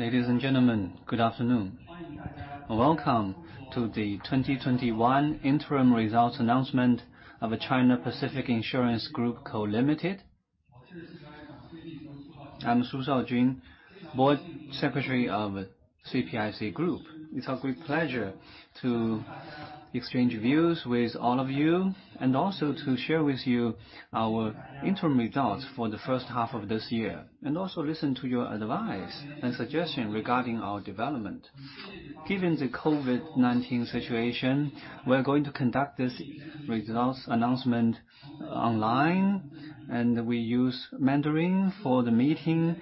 Ladies and gentlemen, good afternoon. Welcome to the 2021 interim results announcement of China Pacific Insurance (Group) Co., Ltd. I'm Su Shaojun, Board Secretary of CPIC Group. It's our great pleasure to exchange views with all of you, and also to share with you our interim results for the first half of this year. Also listen to your advice and suggestion regarding our development. Given the COVID-19 situation, we're going to conduct this results announcement online, and we use Mandarin for the meeting,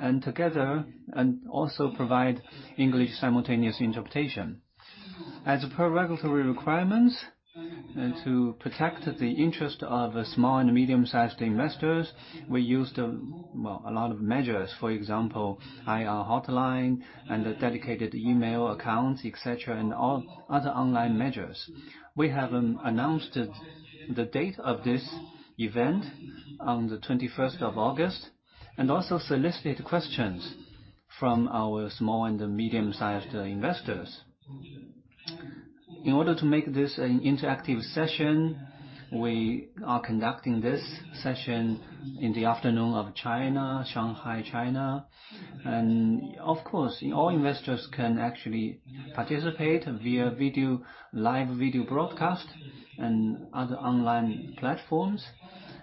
and also provide English simultaneous interpretation. As per regulatory requirements, and to protect the interest of small and medium-sized investors, we used a lot of measures. For example, IR hotline and a dedicated email account, et cetera, and all other online measures. We have announced the date of this event on the 21st of August, and also solicited questions from our small and medium-sized investors. In order to make this an interactive session, we are conducting this session in the afternoon of China, Shanghai, China. Of course, all investors can actually participate via live video broadcast and other online platforms.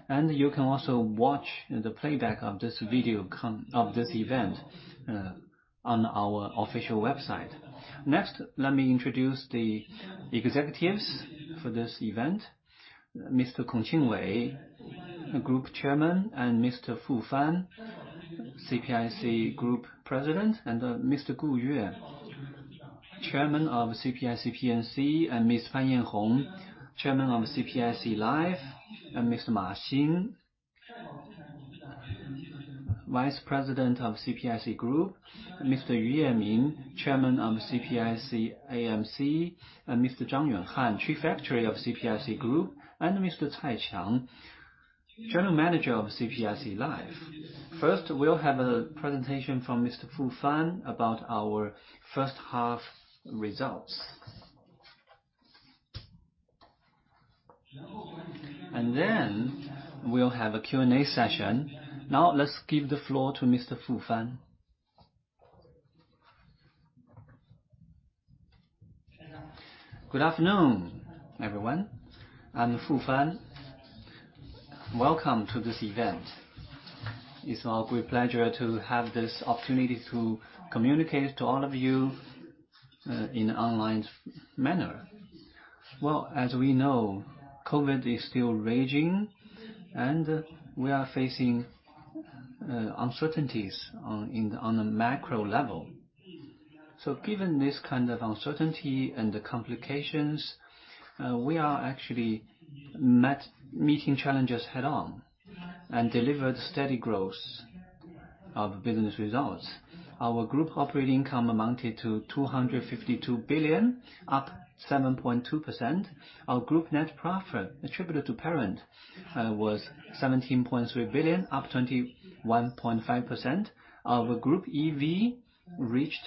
You can also watch the playback of this video of this event on our official website. Next, let me introduce the executives for this event. Mr. Kong Qingwei, Group Chairman, and Mr. Fu Fan, CPIC Group President, and Mr. Gu Yue, Chairman of CPIC P&C, and Ms. Pan Yanhong, Chairman of CPIC Life, and Mr. Ma Xin, Vice President of CPIC Group, Mr. Yu Yeming, Chairman of CPIC AMC, and Mr. Zhang Yuanhan, Chief Actuary of CPIC Group, and Mr. Cai Qiang, General Manager of CPIC Life. First, we'll have a presentation from Mr. Fu Fan about our first half results. Then we'll have a Q&A session. Let's give the floor to Mr. Fu Fan. Good afternoon, everyone. I'm Fu Fan. Welcome to this event. It's our great pleasure to have this opportunity to communicate to all of you in online manner. As we know, COVID-19 is still raging, and we are facing uncertainties on a macro level. Given this kind of uncertainty and the complications, we are actually meeting challenges head on and delivered steady growth of business results. Our group operating income amounted to 252 billion, up 7.2%. Our group net profit attributed to parent was 17.3 billion, up 21.5%. Our group Embedded Value reached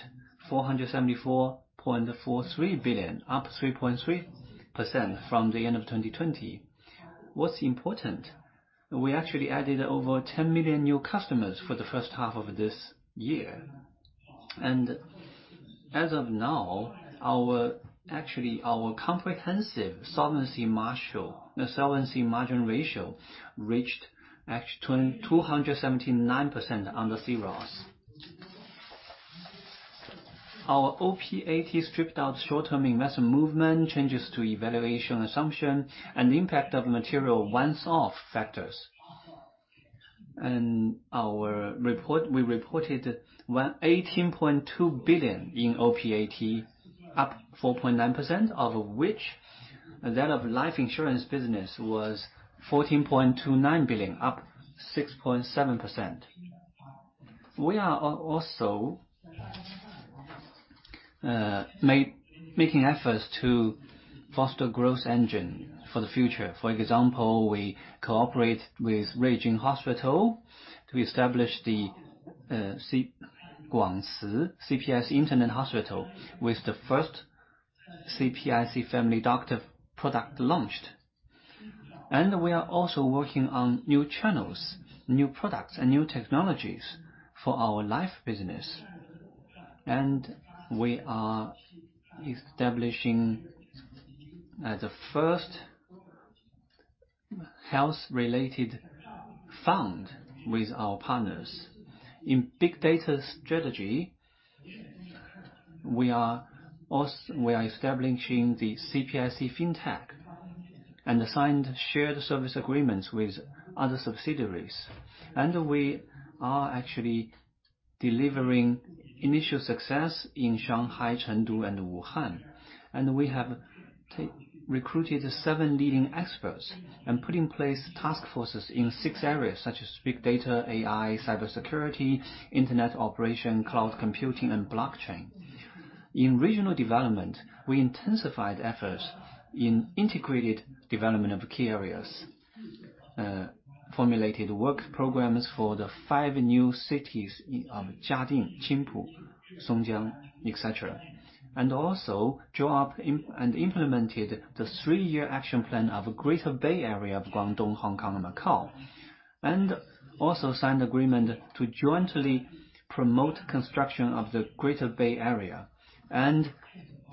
474.43 billion, up 3.3% from the end of 2020. What's important, we actually added over 10 million new customers for the first half of this year. As of now, actually our comprehensive solvency margin ratio reached 279% under China Risk Oriented Solvency System. Our Operating Profit After Tax stripped out short-term investment movement, changes to evaluation assumption, and impact of material once-off factors. We reported 18.2 billion in OPAT, up 4.9%, of which that of life insurance business was 14.29 billion, up 6.7%. We are also making efforts to foster growth engine for the future. For example, we cooperate with Ruijin Hospital to establish the Guangci CPIC Internet Hospital, with the first CPIC family doctor product launched. We are also working on new channels, new products, and new technologies for our life business. We are establishing the first health-related fund with our partners. In big data strategy, we are establishing the CPIC Fintech and signed shared service agreements with other subsidiaries. We are actually delivering initial success in Shanghai, Chengdu and Wuhan. We have recruited seven leading experts and put in place task forces in six areas such as big data, AI, cybersecurity, internet operation, cloud computing, and blockchain. In regional development, we intensified efforts in integrated development of key areas, formulated work programs for the five new cities of Jiading, Qingpu, Songjiang, et cetera, and also drew up and implemented the three-year action plan of Greater Bay Area of Guangdong, Hong Kong, and Macau, and also signed agreement to jointly promote construction of the Greater Bay Area and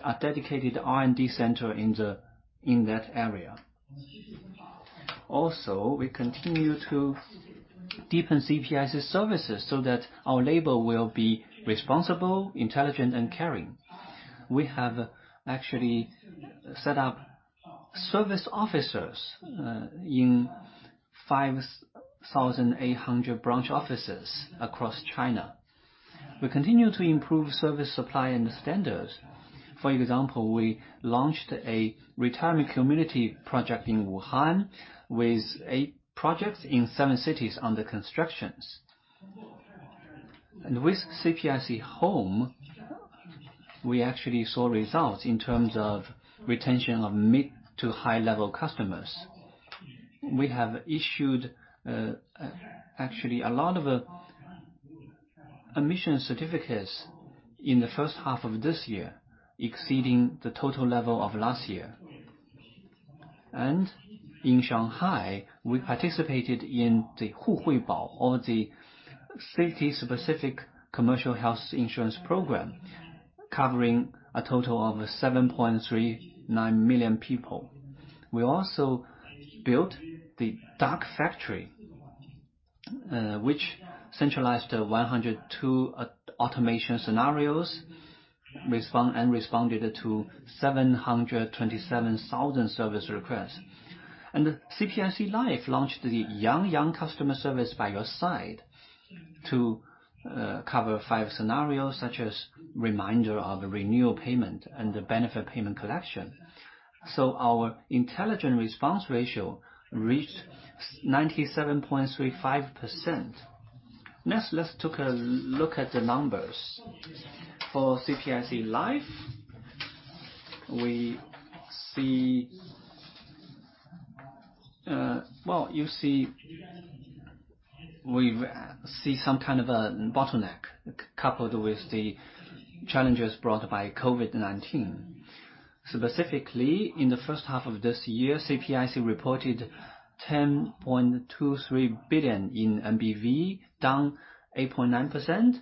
a dedicated R&D center in that area. We continue to deepen CPIC's services so that our labor will be responsible, intelligent, and caring. We have actually set up service officers in 5,800 branch offices across China. We continue to improve service supply and standards. For example, we launched a retirement community project in Wuhan with eight projects in seven cities under constructions. With CPIC Home, we actually saw results in terms of retention of mid to high-level customers. We have issued actually a lot of admission certificates in the first half of this year, exceeding the total level of last year. In Shanghai, we participated in the city-specific commercial health insurance program, covering a total of 7.39 million people. We also built the dark factory, which centralized 102 automation scenarios and responded to 727,000 service requests. CPIC Life launched the Yang Yang customer service by your side to cover five scenarios, such as reminder of renewal payment and benefit payment collection. Our intelligent response ratio reached 97.35%. Next, let's took a look at the numbers. For CPIC Life, we see some kind of a bottleneck coupled with the challenges brought by COVID-19. Specifically, in the first half of this year, CPIC reported 10.23 billion in Value of New Business, down 8.9%.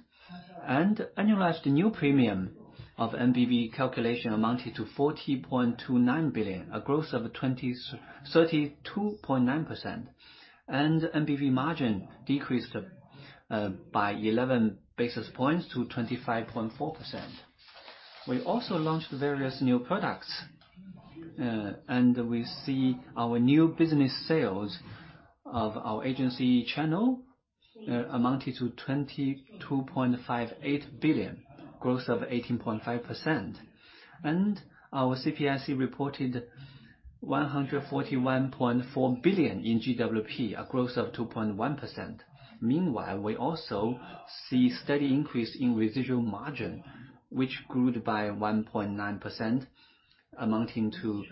Annualized new premium of NBV calculation amounted to 40.29 billion, a growth of 32.9%. NBV margin decreased by 11 basis points to 25.4%. We also launched various new products. We see our new business sales of our agency channel amounted to 22.58 billion, growth of 18.5%. Our CPIC reported 141.4 billion in Gross Written Premiums, a growth of 2.1%. Meanwhile, we also see steady increase in residual margin, which grew by 1.9%, amounting to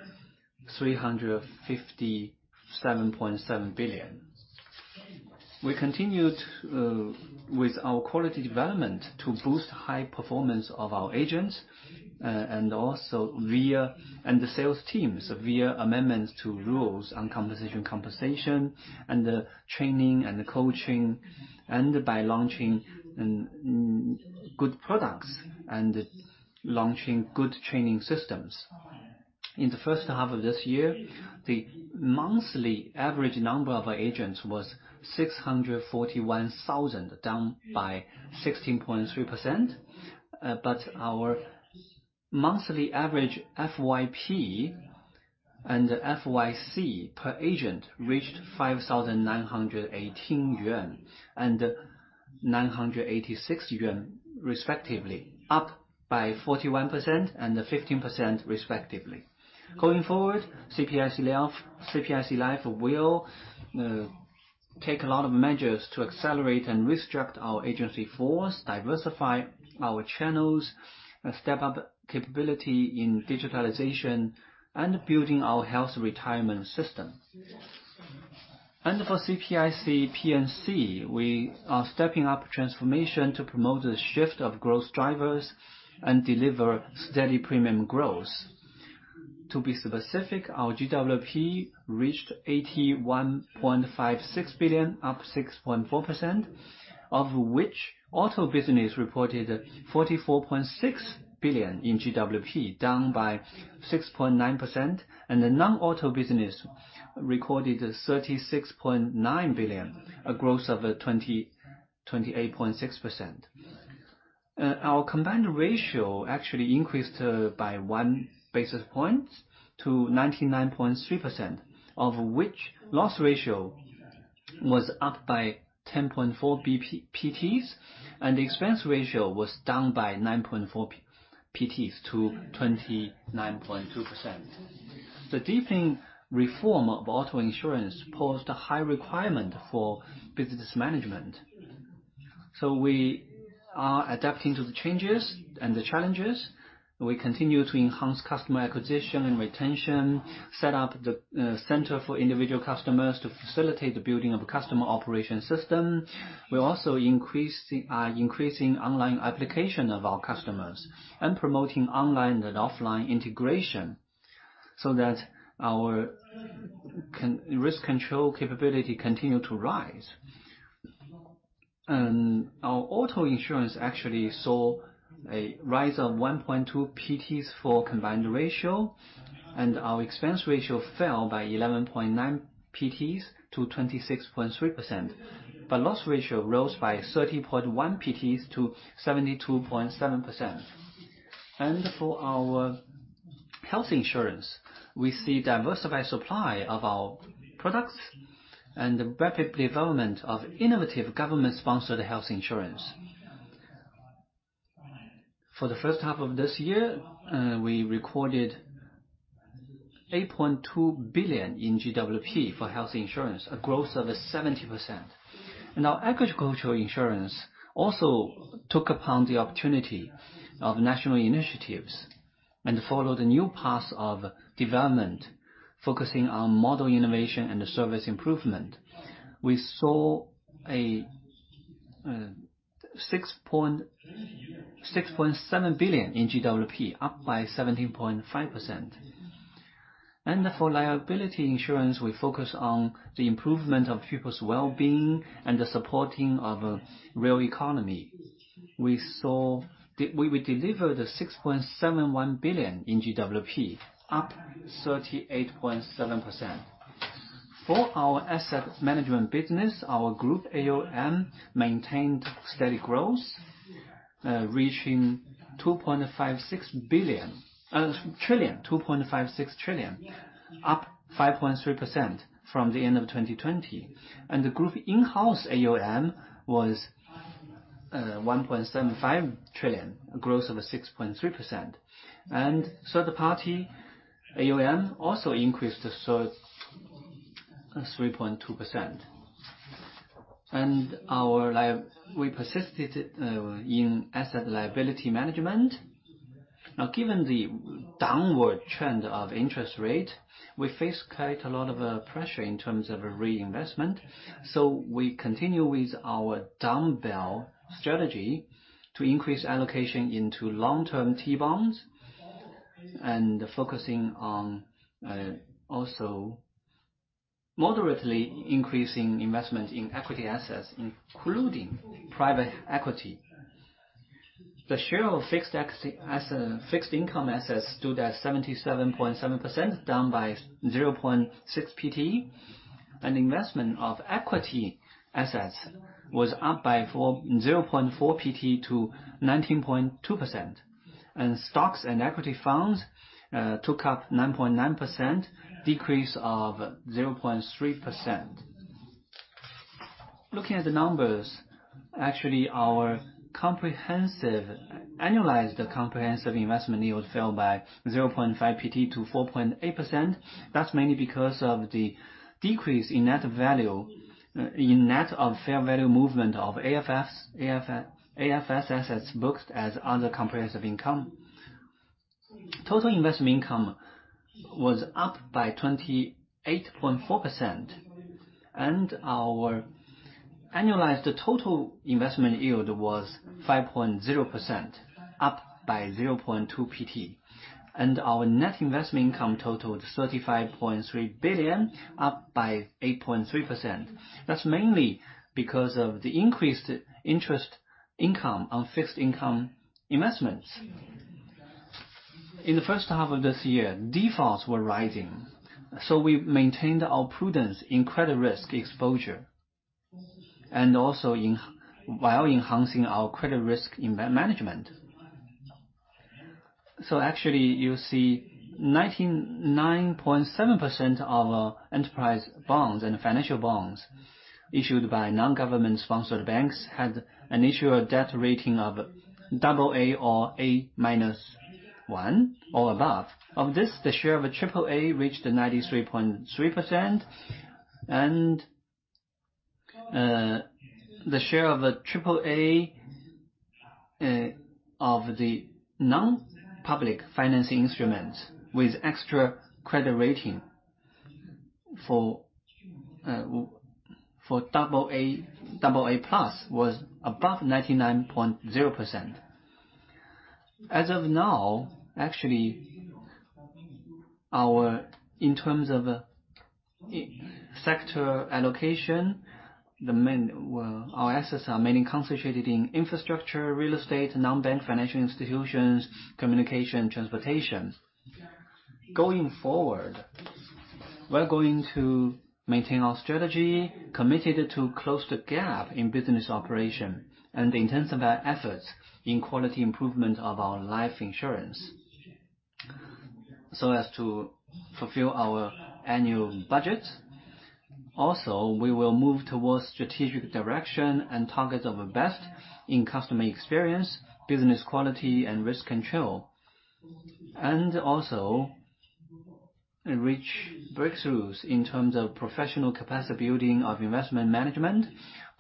357.7 billion. We continued with our quality development to boost high performance of our agents and the sales teams via amendments to rules on compensation and training and coaching, and by launching good products and launching good training systems. In the first half of this year, the monthly average number of agents was 641,000, down by 16.3%. Our monthly average First Year Premium and First Year Commission per agent reached 5,918 yuan and 986 yuan respectively, up by 41% and 15% respectively. Going forward, CPIC Life will take a lot of measures to accelerate and restrict our agency force, diversify our channels, and step up capability in digitalization and building our health retirement system. For CPIC P&C, we are stepping up transformation to promote the shift of growth drivers and deliver steady premium growth. To be specific, our GWP reached 81.56 billion, up 6.4%, of which auto business reported 44.6 billion in GWP, down by 6.9%, and the non-auto business recorded 36.9 billion, a growth of 28.6%. Our combined ratio actually increased by 1 basis point to 99.3%, of which loss ratio was up by 10.4 bps, and expense ratio was down by 9.4 bps to 29.2%. The deepening reform of auto insurance posed a high requirement for business management. We are adapting to the changes and the challenges. We continue to enhance customer acquisition and retention, set up the center for individual customers to facilitate the building of a customer operation system. We're also increasing online application of our customers and promoting online and offline integration, so that our risk control capability continue to rise. Our auto insurance actually saw a rise of 1.2 ppts for combined ratio, and our expense ratio fell by 11.9 ppts to 26.3%. Loss ratio rose by 30.1 ppts to 72.7%. For our health insurance, we see diversified supply of our products and the rapid development of innovative government-sponsored health insurance. For the first half of this year, we recorded 8.2 billion in GWP for health insurance, a growth of 70%. Agricultural insurance also took on the opportunity of national initiatives and followed the new path of development, focusing on model innovation and service improvement. We saw 6.7 billion in GWP, up by 17.5%. For liability insurance, we focus on the improvement of people's well-being and the supporting of real economy. We will deliver the 6.71 billion in GWP, up 38.7%. For our asset management business, our group Assets Under Management maintained steady growth, reaching 2.56 trillion, up 5.3% from the end of 2020. The group in-house AUM was 1.75 trillion, a growth of 6.3%. Third party AUM also increased 3.2%. We persisted in Asset-Liability Management. Now, given the downward trend of interest rate, we face quite a lot of pressure in terms of reinvestment. We continue with our dumbbell strategy to increase allocation into long-term T-bonds and focusing on also moderately increasing investment in equity assets, including private equity. The share of fixed income assets stood at 77.7%, down by 0.6 PT. Investment of equity assets was up by 0.4 PT to 19.2%. Stocks and equity funds took up 9.9%, decrease of 0.3%. Looking at the numbers, actually, our annualized comprehensive investment yield fell by 0.5 PT to 4.8%. That's mainly because of the decrease in net of fair value movement of Available-for-Sale assets booked as other comprehensive income. Total investment income was up by 28.4%, and our annualized total investment yield was 5.0%, up by 0.2 PT. Our net investment income totaled 35.3 billion, up by 8.3%. That's mainly because of the increased interest income on fixed income investments. In the first half of this year, defaults were rising, so we maintained our prudence in credit risk exposure, and also while enhancing our credit risk management. Actually, you see 99.7% of enterprise bonds and financial bonds issued by non-government-sponsored banks had an issuer debt rating of AA, or A-1, or above. Of this, the share of AAA reached 93.3%, and the share of AAA of the non-public financing instruments with extra credit rating for AA, AA+ was above 99.0%. As of now, actually, in terms of sector allocation, our assets are mainly concentrated in infrastructure, real estate, non-bank financial institutions, communication, and transportation. Going forward, we're going to maintain our strategy, committed to close the gap in business operation and intensify efforts in quality improvement of our life insurance, so as to fulfill our annual budget. We will move towards strategic direction and target of best in customer experience, business quality and risk control. Reach breakthroughs in terms of professional capacity building of investment management,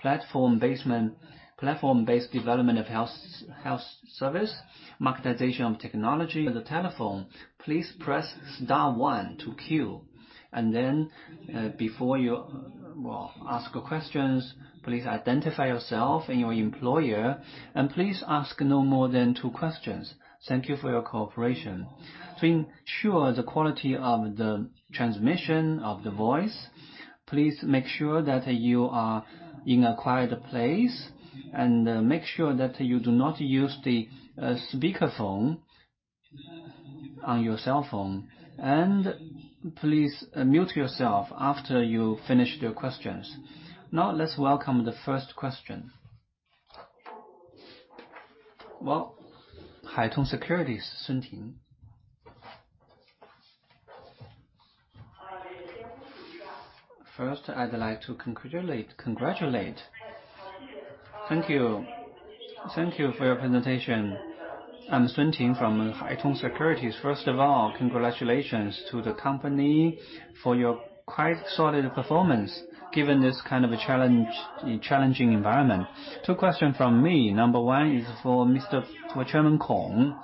platform-based development of health service, marketization of technology. Please star one to queue. Before you ask questions, please identify yourself and your employer, and please ask no more than two questions. Thank you for your cooperation. To ensure the quality of the transmission of the voice, please make sure that you are in a quiet place, and make sure that you do not use the speakerphone on your cell phone. Please mute yourself after you finish your questions. Let's welcome the first question. Haitong Securities, Sun Ting. I'd like to congratulate. Thank you. Thank you for your presentation. I'm Sun Ting from Haitong Securities. Congratulations to the company for your quite solid performance, given this kind of challenging environment. Two questions from me. Number one is for Chairman Kong.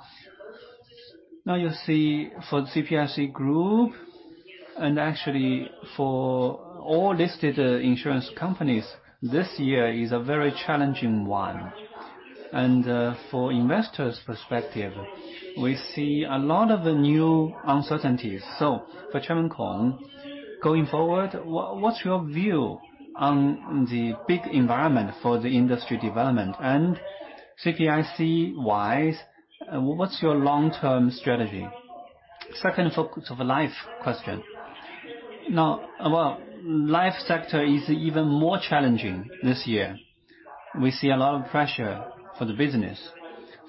You see for CPIC Group, and actually for all listed insurance companies, this year is a very challenging one. For investors' perspective, we see a lot of new uncertainties. For Chairman Kong, going forward, what's your view on the big environment for the industry development? CPIC-wise, what's your long-term strategy? Second focus of life question. Life sector is even more challenging this year. We see a lot of pressure for the business.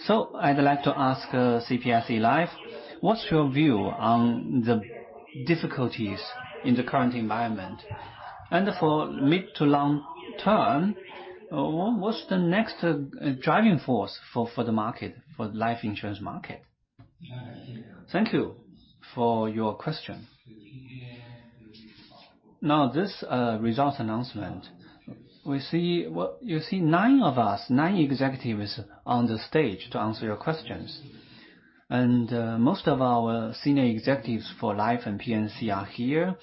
I'd like to ask CPIC Life, what's your view on the difficulties in the current environment? For mid to long-term, what's the next driving force for the life insurance market? Thank you for your question. This result announcement, you see nine of us, nine executives on the stage to answer your questions. Most of our senior executives for Life and P&C are here.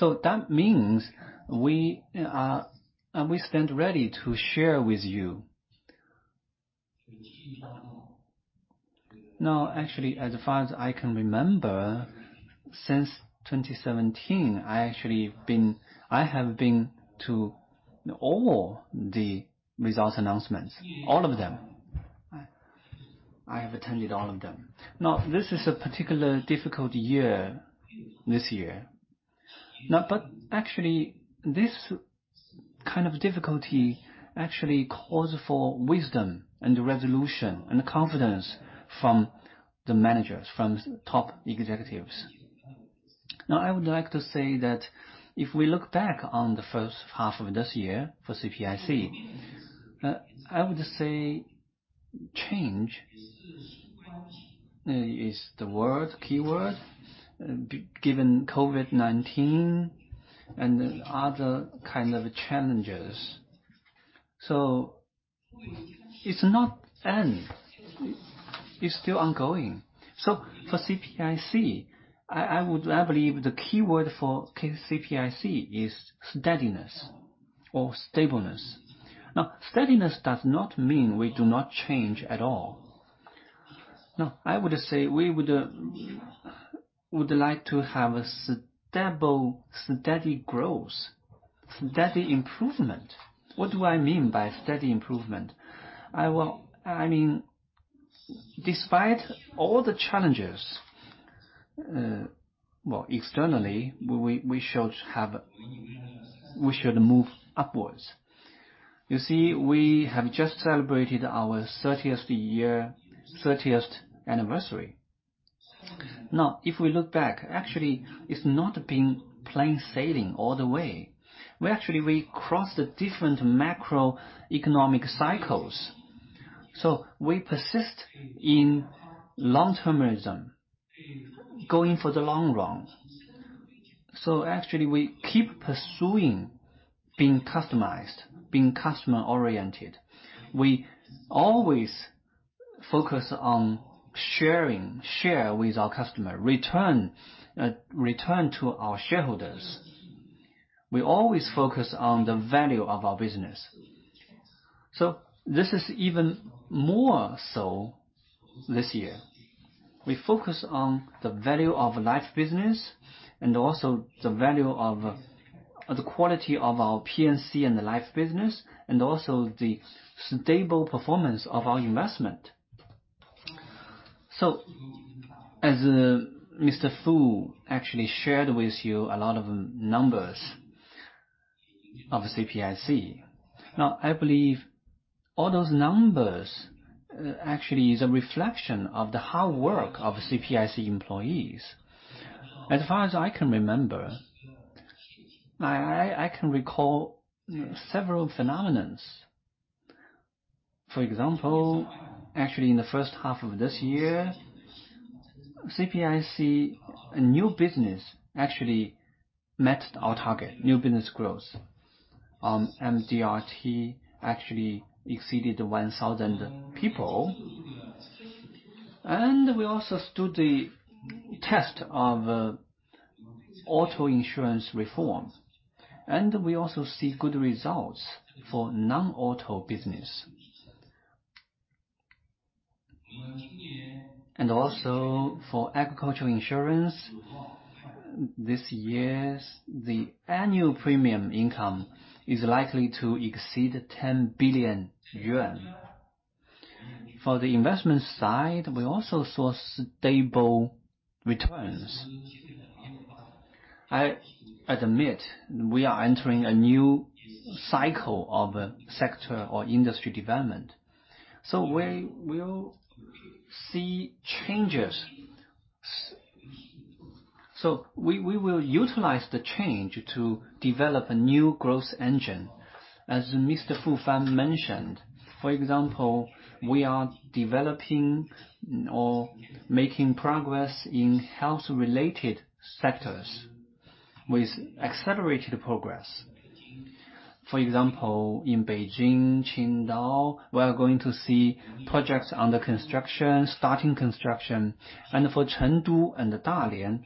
That means we stand ready to share with you. Actually, as far as I can remember, since 2017, I have been to all the results announcements, all of them. I have attended all of them. This is a particular difficult year, this year. Actually, this kind of difficulty actually calls for wisdom and resolution and confidence from the managers, from top executives. I would like to say that if we look back on the first half of this year for CPIC, I would say change is the keyword, given COVID-19 and other kind of challenges. It's not end. It's still ongoing. For CPIC, I believe the keyword for CPIC is steadiness or stableness. Steadiness does not mean we do not change at all. No, I would say we would like to have a stable, steady growth, steady improvement. What do I mean by steady improvement? I mean, despite all the challenges, externally, we should move upwards. You see, we have just celebrated our 30th anniversary. If we look back, actually, it's not been plain sailing all the way. We actually crossed different macroeconomic cycles. We persist in long-termism, going for the long run. Actually, we keep pursuing being customized, being customer-oriented. We always focus on sharing, share with our customer, return to our shareholders. We always focus on the value of our business. This is even more so this year. We focus on the value of life business and also the quality of our P&C and life business, and also the stable performance of our investment. As Mr. Fu actually shared with you a lot of numbers of CPIC, now I believe all those numbers actually is a reflection of the hard work of CPIC employees. As far as I can remember, I can recall several phenomena. For example, actually in the first half of this year, CPIC new business actually met our target. New business growth on Million Dollar Round Table actually exceeded 1,000 people. We also stood the test of auto insurance reform, and we also see good results for non-auto business. For agricultural insurance this year, the annual premium income is likely to exceed 10 billion yuan. For the investment side, we also saw stable returns. I admit we are entering a new cycle of sector or industry development. We will see changes. We will utilize the change to develop a new growth engine. As Mr. Fu Fan mentioned, for example, we are developing or making progress in health-related sectors with accelerated progress. For example, in Beijing, Qingdao, we are going to see projects under construction, starting construction. For Chengdu and Dalian,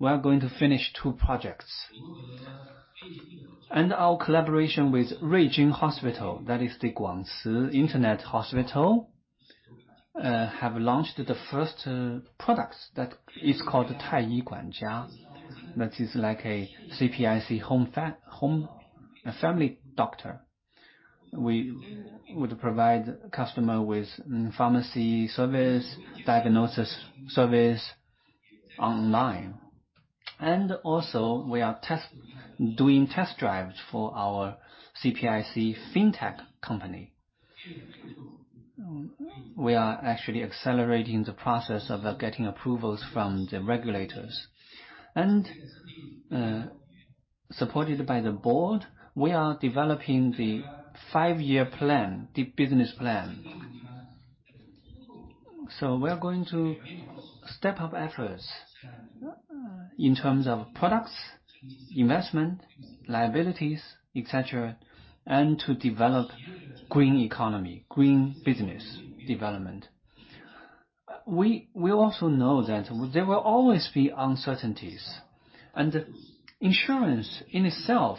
we are going to finish two projects. Our collaboration with Ruijin Hospital, that is the Guangci CPIC Internet Hospital, have launched the first products that is called Taiyi Guanjia. That is like a CPIC Home family doctor. We would provide customer with pharmacy service, diagnosis service online. We are doing test drives for our CPIC fintech company. We are actually accelerating the process of getting approvals from the regulators. Supported by the board, we are developing the five-year plan, the business plan. We are going to step up efforts in terms of products, investment, liabilities, et cetera, and to develop green economy, green business development. We also know that there will always be uncertainties, and insurance in itself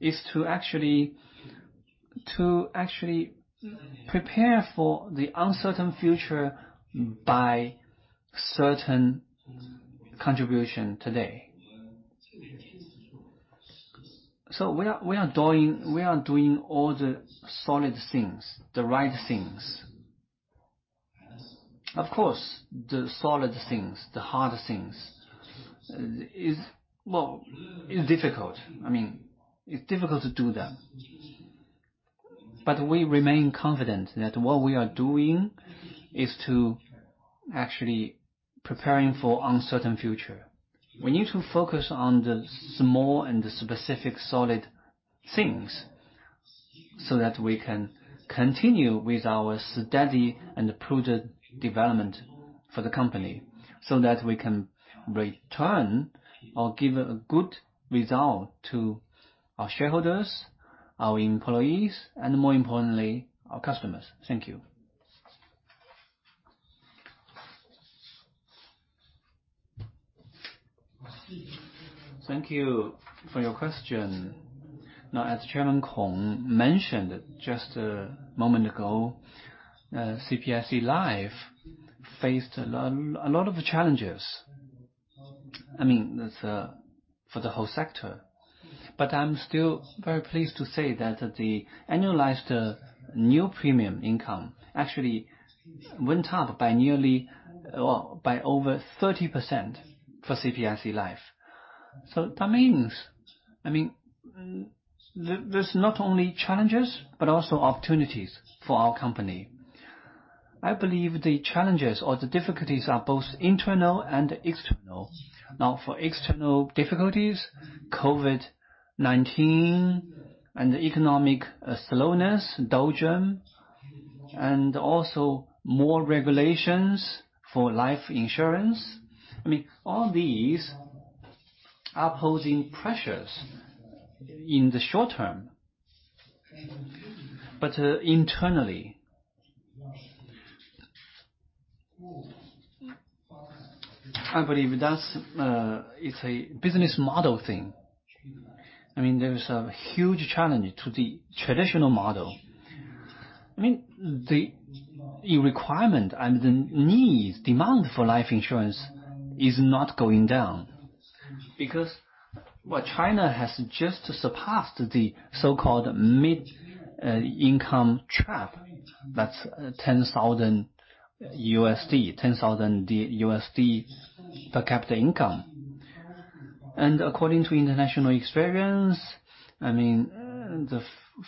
is to actually prepare for the uncertain future by certain contribution today. We are doing all the solid things, the right things. Of course, the solid things, the hard things is difficult. It's difficult to do them. We remain confident that what we are doing is to actually preparing for uncertain future. We need to focus on the small and the specific solid things so that we can continue with our steady and prudent development for the company, so that we can return or give a good result to our shareholders, our employees, and more importantly, our customers. Thank you. Thank you for your question. As Chairman Kong mentioned just a moment ago, CPIC Life faced a lot of challenges. That's for the whole sector. I'm still very pleased to say that the annualized new premium income actually went up by over 30% for CPIC Life. That means there's not only challenges, but also opportunities for our company. I believe the challenges or the difficulties are both internal and external. For external difficulties, COVID-19 and the economic slowness, doldrum, and also more regulations for life insurance. All these are posing pressures in the short term. Internally, I believe that it's a business model thing. There's a huge challenge to the traditional model. The requirement and the needs, demand for life insurance is not going down because China has just surpassed the so-called mid-income trap, that's $10,000 per capita income. According to international experience, the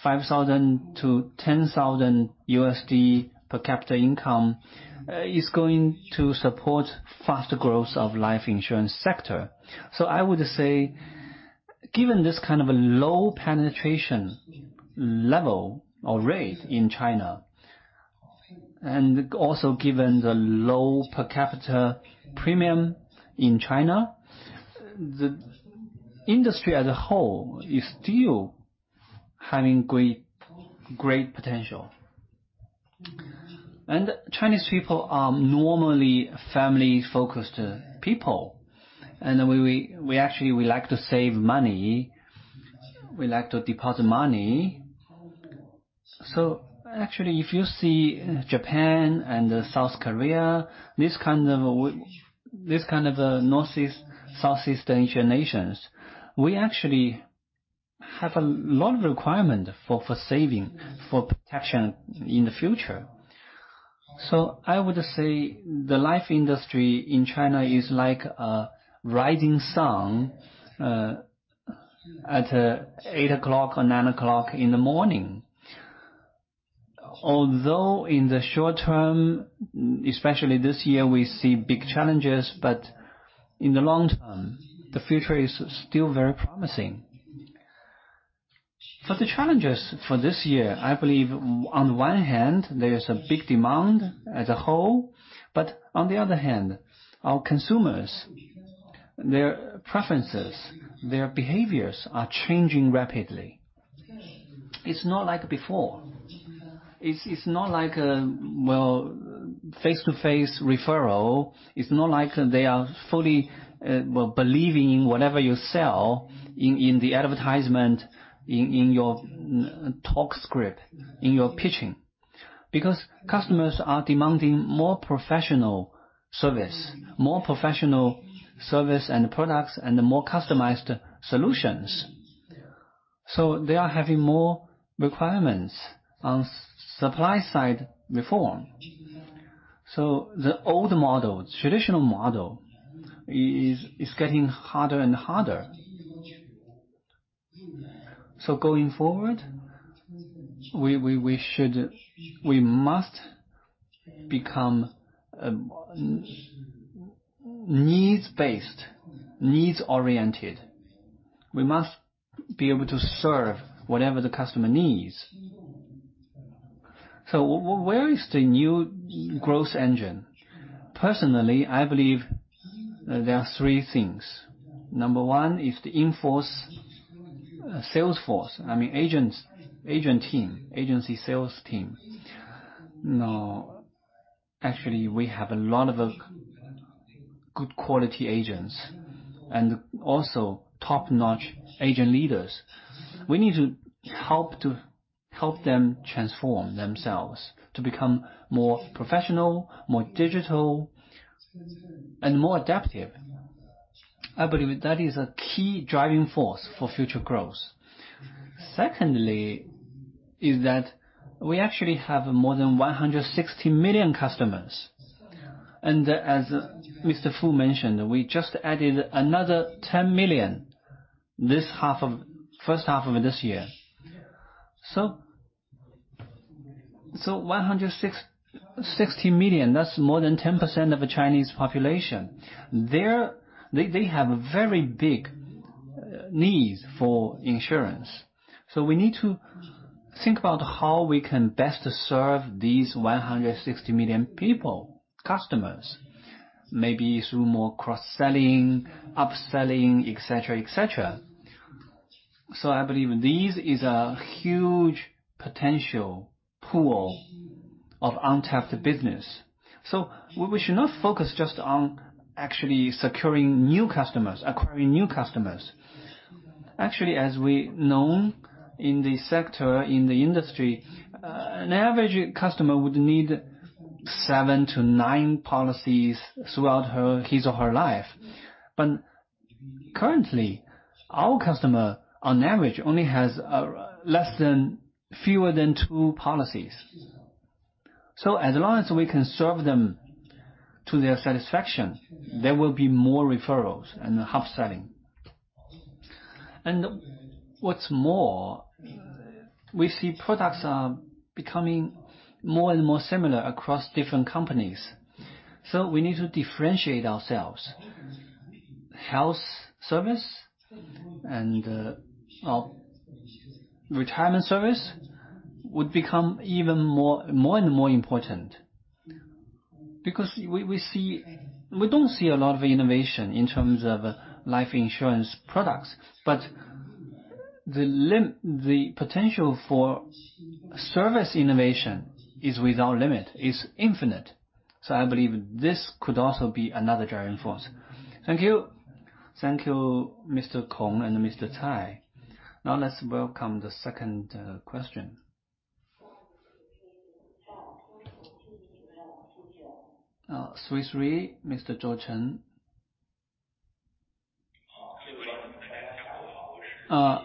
$5,000-$10,000 per capita income is going to support faster growth of life insurance sector. Given this kind of low penetration level or rate in China, and also given the low per capita premium in China, the industry as a whole is still having great potential. Chinese people are normally family-focused people. We actually like to save money, we like to deposit money. Actually, if you see Japan and South Korea, this kind of Northeast, Southeast Asian nations, we actually have a lot of requirement for saving, for protection in the future. I would say the life industry in China is like a rising sun at eight o'clock or nine o'clock in the morning. Although in the short term, especially this year, we see big challenges, but in the long term, the future is still very promising. For the challenges for this year, I believe on one hand, there is a big demand as a whole, but on the other hand, our consumers, their preferences, their behaviors are changing rapidly. It's not like before. It's not like a face-to-face referral. It's not like they are fully believing in whatever you sell in the advertisement, in your talk script, in your pitching. Because customers are demanding more professional service and products, and more customized solutions. They are having more requirements on supply side reform. The old model, traditional model, is getting harder and harder. Going forward, we must become needs-based, needs-oriented. We must be able to serve whatever the customer needs. Where is the new growth engine? Personally, I believe there are three things. Number one is to enforce sales force. I mean, agent team, agency sales team. Now, actually, we have a lot of good quality agents and also top-notch agent leaders. We need to help them transform themselves to become more professional, more digital, and more adaptive. I believe that is a key driving force for future growth. Secondly is that we actually have more than 160 million customers. As Mr. Fu mentioned, we just added another 10 million first half of this year. 160 million, that's more than 10% of the Chinese population. They have very big needs for insurance. We need to think about how we can best serve these 160 million people, customers, maybe through more cross-selling, upselling, et cetera. I believe this is a huge potential pool of untapped business. We should not focus just on actually securing new customers, acquiring new customers. Actually, as we know in the sector, in the industry, an average customer would need seven to nine policies throughout his or her life. Currently, our customer, on average, only has fewer than two policies. As long as we can serve them to their satisfaction, there will be more referrals and upselling. What's more, we see products are becoming more and more similar across different companies. We need to differentiate ourselves. Health service and retirement service would become even more and more important. We don't see a lot of innovation in terms of life insurance products, but the potential for service innovation is without limit, is infinite. I believe this could also be another driving force. Thank you. Thank you, Mr. Kong and Mr. Cai. Let's welcome the second question. Swiss Reinsurance, Mr. Cheng Zhou.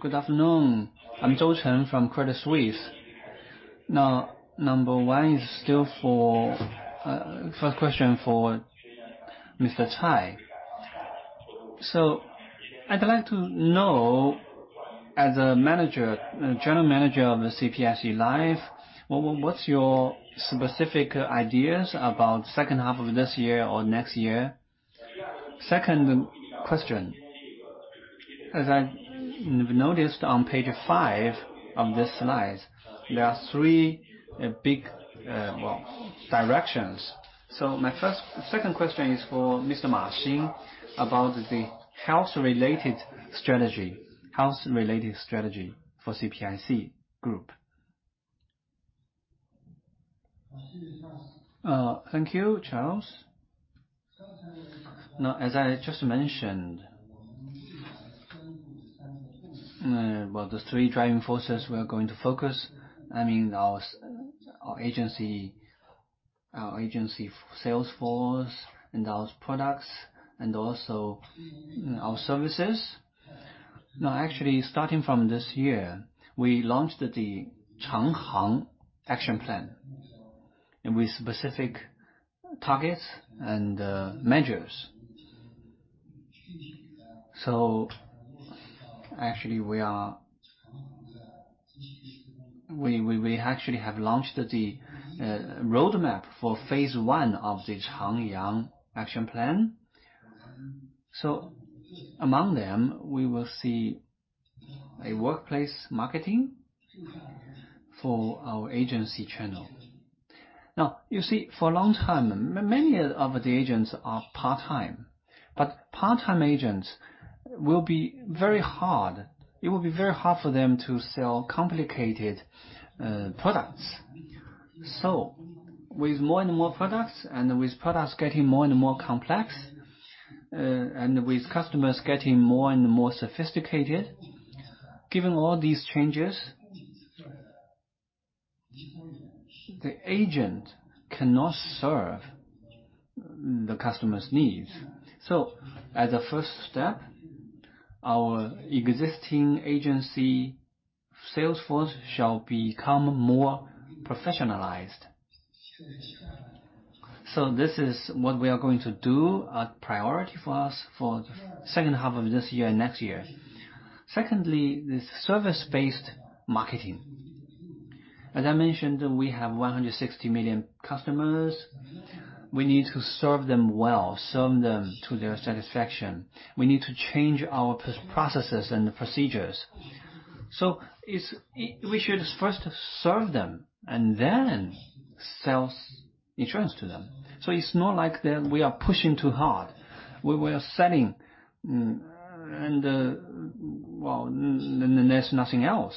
Good afternoon. I'm Cheng Zhou from Credit Suisse. Number one, is still first question for Mr. Cai. I'd like to know. As a General Manager of CPIC Life, what's your specific ideas about second half of this year or next year? Second question, as I noticed on page five of this slide, there are three big directions. My second question is for Mr. Ma Xin about the health-related strategy for CPIC Group. Thank you, Cheng. As I just mentioned, the three driving forces we are going to focus, I mean our agency sales force and our products, and also our services. Actually, starting from this year, we launched the Changhang Action Plan with specific targets and measures. We actually have launched the roadmap for phase I of the Changhang Action Plan. Among them, we will see a workplace marketing for our agency channel. You see, for a long time, many of the agents are part-time. Part-time agents, it will be very hard for them to sell complicated products. With more and more products, and with products getting more and more complex, and with customers getting more and more sophisticated, given all these changes, the agent cannot serve the customer's needs. As a first step, our existing agency sales force shall become more professionalized. This is what we are going to do, a priority for us for the second half of this year and next year. Secondly, this service-based marketing. As I mentioned, we have 160 million customers. We need to serve them well, serve them to their satisfaction. We need to change our processes and procedures. We should first serve them and then sell insurance to them. It's not like we are pushing too hard. We are selling, and then there's nothing else.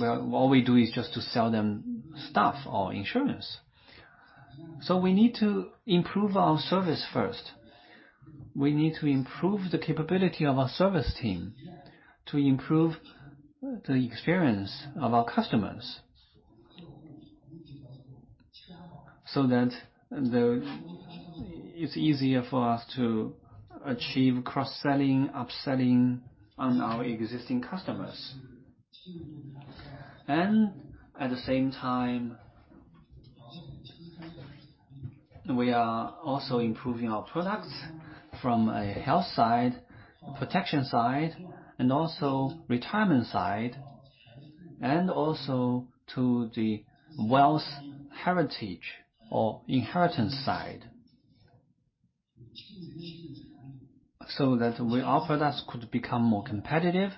All we do is just to sell them stuff or insurance. We need to improve our service first. We need to improve the capability of our service team to improve the experience of our customers, so that it's easier for us to achieve cross-selling, upselling on our existing customers. At the same time, we are also improving our products from a health side, protection side, and also retirement side, and also to the wealth heritage or inheritance side, so that our products could become more competitive.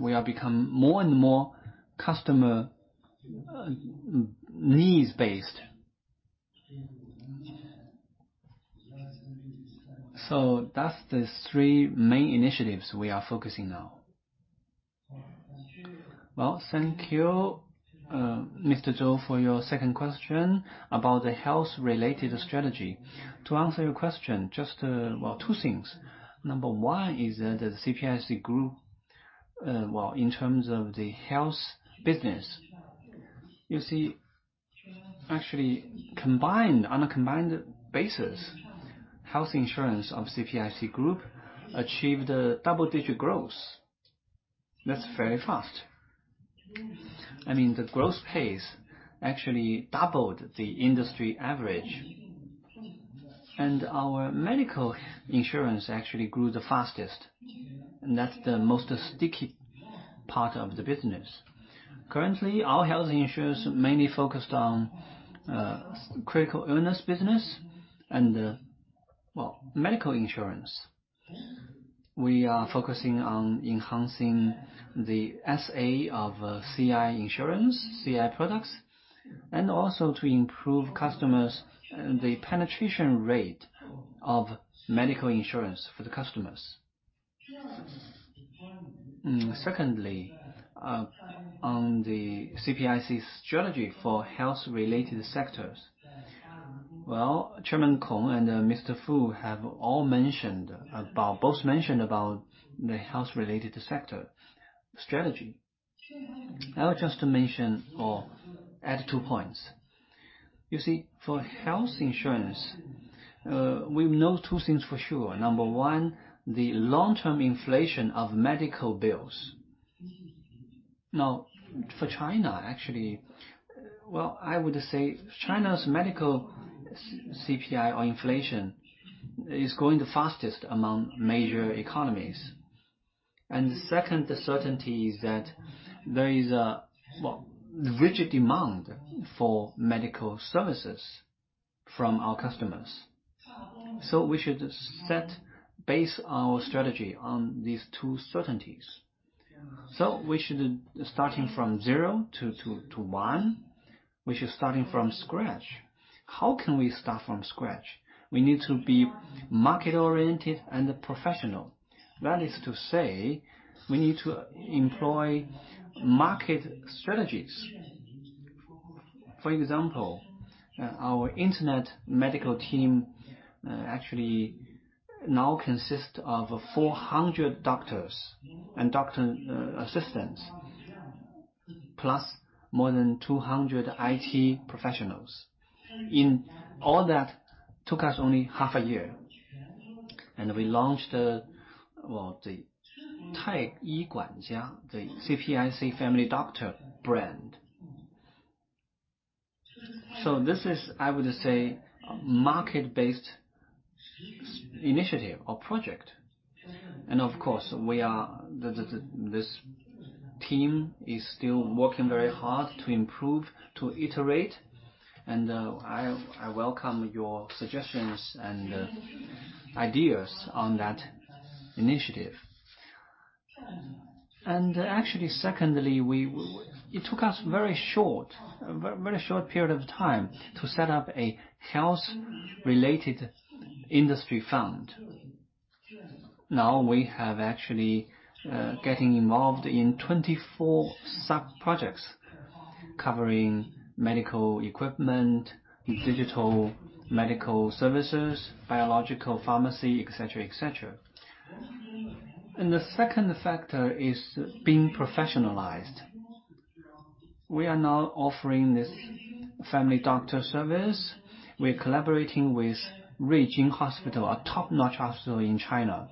We are become more and more customer needs-based. That's the three main initiatives we are focusing now. Well, thank you, Mr. Zhou, for your second question about the health-related strategy. To answer your question, just two things. Number one is that CPIC Group, in terms of the health business, you see, actually, on a combined basis, health insurance of CPIC Group achieved double-digit growth. That's very fast. I mean, the growth pace actually doubled the industry average. Our medical insurance actually grew the fastest, and that's the most sticky part of the business. Currently, our health insurance mainly focused on critical illness business and medical insurance. We are focusing on enhancing the SA of Critical Illness insurance, CI products, and also to improve the penetration rate of medical insurance for the customers. On the CPIC strategy for health-related sectors. Chairman Kong Qingwei and Mr. Fu Fan have both mentioned about the health-related sector strategy. I would just mention or add two points. You see, for health insurance, we know two things for sure. Number one, the long-term inflation of medical bills. For China, actually, I would say China's medical CPI or inflation is growing the fastest among major economies. The second certainty is that there is a rigid demand for medical services from our customers. We should base our strategy on these two certainties. Starting from zero to one, we should starting from scratch. How can we start from scratch? We need to be market-oriented and professional. That is to say, we need to employ market strategies. For example, our internet medical team actually now consists of 400 doctors and doctor assistants, plus more than 200 IT professionals. All that took us only half a year. We launched the Taiyi Guanjia, the CPIC family doctor brand. This is, I would say, a market-based initiative or project. Of course, this team is still working very hard to improve, to iterate, and I welcome your suggestions and ideas on that initiative. Actually secondly, it took us very short period of time to set up a health-related industry fund. Now we have actually getting involved in 24 sub-projects covering medical equipment, digital medical services, biological pharmacy, et cetera. The second factor is being professionalized. We are now offering this family doctor service. We are collaborating with Ruijin Hospital, a top-notch hospital in China.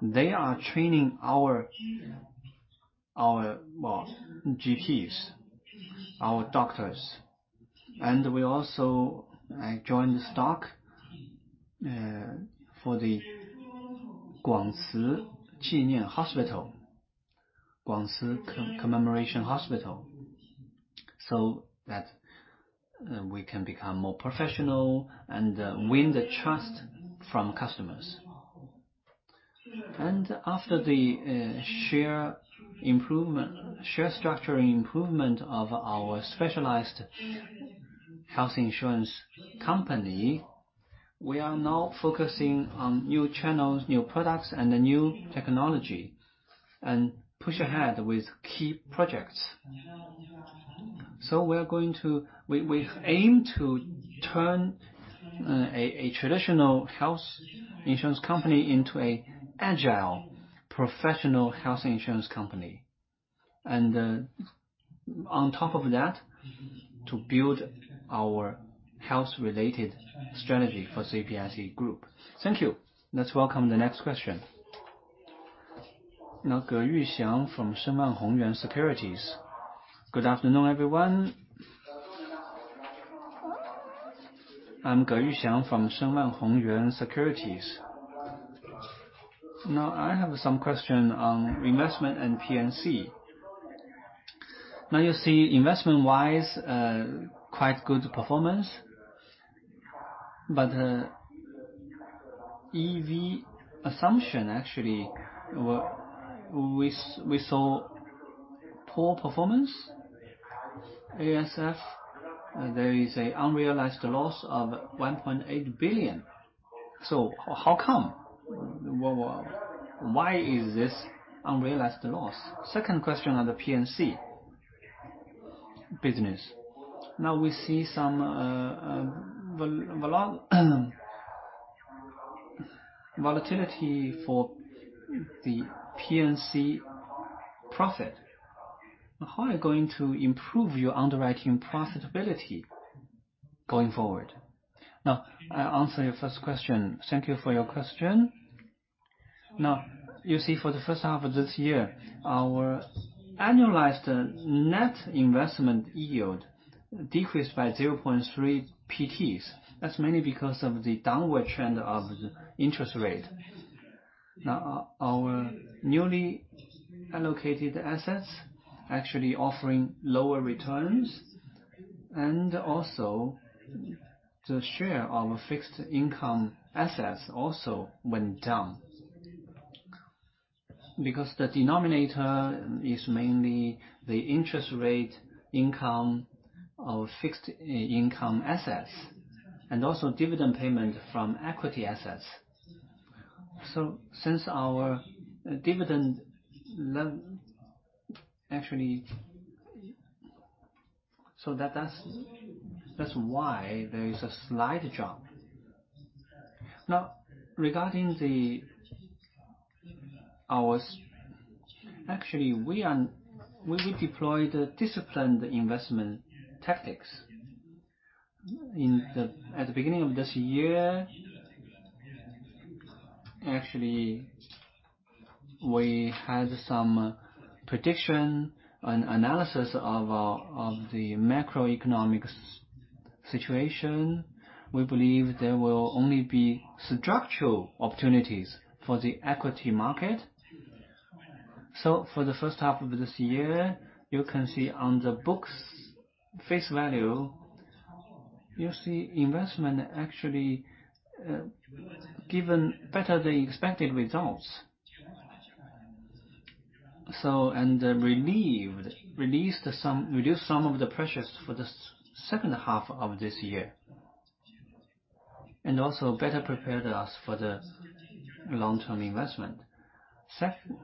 They are training our General Partners, our doctors, and we also joined stock for the Guangci Memorial Hospital, so that we can become more professional and win the trust from customers. After the share structuring improvement of our specialized health insurance company, we are now focusing on new channels, new products, and the new technology, and push ahead with key projects. We aim to turn a traditional health insurance company into an agile, professional health insurance company. On top of that, to build our health-related strategy for CPIC Group. Thank you. Let's welcome the next question. Ge Yuxiang from Shenwan Hongyuan Securities Good afternoon, everyone. I'm Ge Yuxiang from Shenwan Hongyuan Securities. I have some question on investment and P&C. You see, investment-wise, quite good performance. EV assumption, actually, we saw poor performance. AFS, there is a unrealized loss of 1.8 billion. How come? Why is this unrealized loss? Second question on the P&C business. We see some volatility for the P&C profit. How are you going to improve your underwriting profitability going forward? I answer your first question. Thank you for your question. You see for the first half of this year, our annualized net investment yield decreased by 0.3 ppts. That's mainly because of the downward trend of interest rate. Our newly allocated assets actually offering lower returns and also the share of fixed income assets also went down, because the denominator is mainly the interest rate income of fixed income assets, and also dividend payment from equity assets. That's why there is a slight drop. Now, regarding ours, actually, we deployed disciplined investment tactics. At the beginning of this year, actually, we had some prediction and analysis of the macroeconomic situation. We believe there will only be structural opportunities for the equity market. For the first half of this year, you can see on the books face value, you see investment actually, given better than expected results. Reduced some of the pressures for the second half of this year. Also better prepared us for the long-term investment. Second,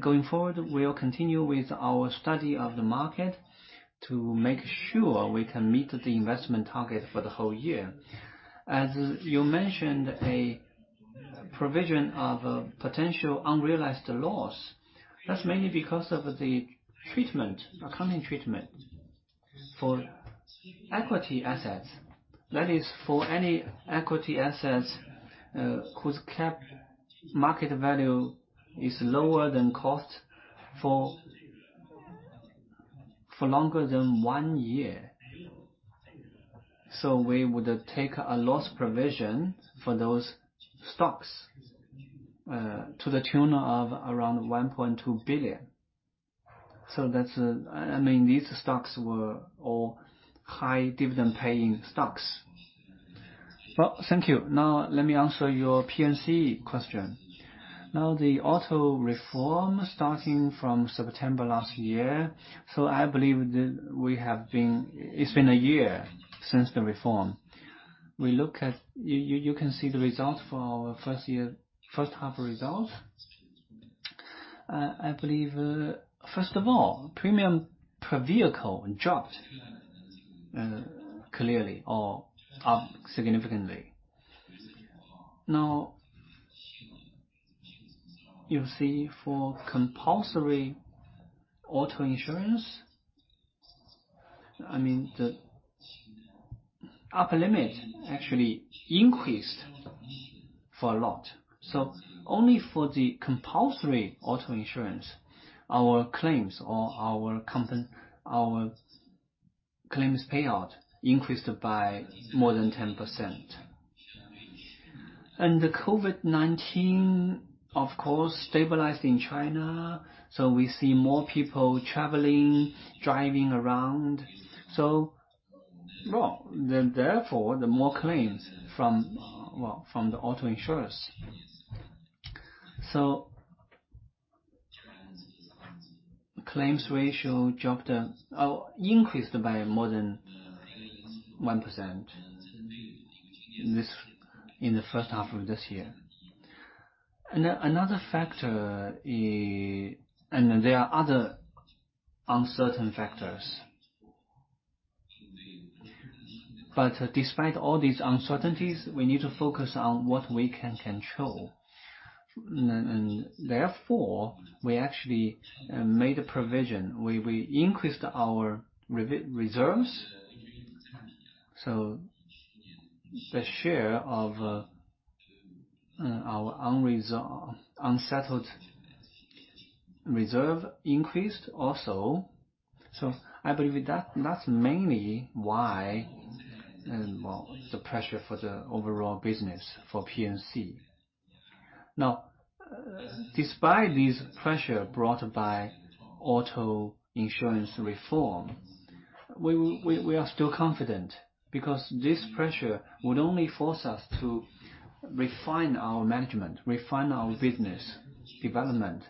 going forward, we'll continue with our study of the market to make sure we can meet the investment target for the whole year. As you mentioned, a provision of a potential unrealized loss. That's mainly because of the accounting treatment for equity assets. That is, for any equity assets whose cap market value is lower than cost for longer than one year. We would take a loss provision for those stocks, to the tune of around 1.2 billion. These stocks were all high dividend-paying stocks. Well, thank you. Let me answer your P&C question. The auto reform starting from September last year. I believe it's been a year since the reform. You can see the result for our first half results. I believe, first of all, premium per vehicle dropped clearly or up significantly. You see for compulsory auto insurance, the upper limit actually increased for a lot. Only for the compulsory auto insurance, our claims or our claims payout increased by more than 10%. The COVID-19, of course, stabilized in China. We see more people traveling, driving around. The more claims from the auto insurers. Claims ratio increased by more than 1% in the first half of this year. There are other uncertain factors. Despite all these uncertainties, we need to focus on what we can control. Therefore, we actually made a provision. We increased our reserves. The share of our unsettled reserve increased also. I believe that's mainly why the pressure for the overall business for P&C. Now, despite this pressure brought by auto insurance reform, we are still confident because this pressure would only force us to refine our management, refine our business development,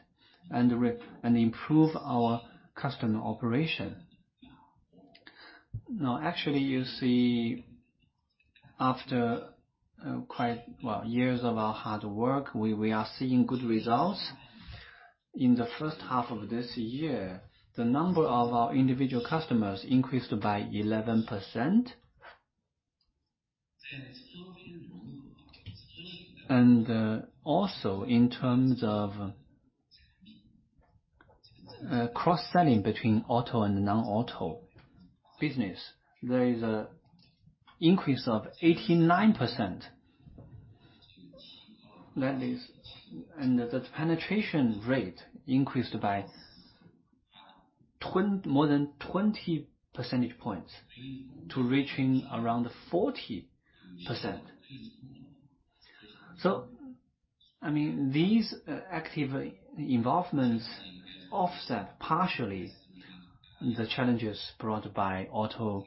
and improve our customer operation. Now, actually, you see after years of our hard work, we are seeing good results. In the first half of this year, the number of our individual customers increased by 11%. Also in terms of cross-selling between auto and non-auto business, there is an increase of 89%. The penetration rate increased by more than 20 percentage points to reaching around 40%. These active involvements offset partially the challenges brought by auto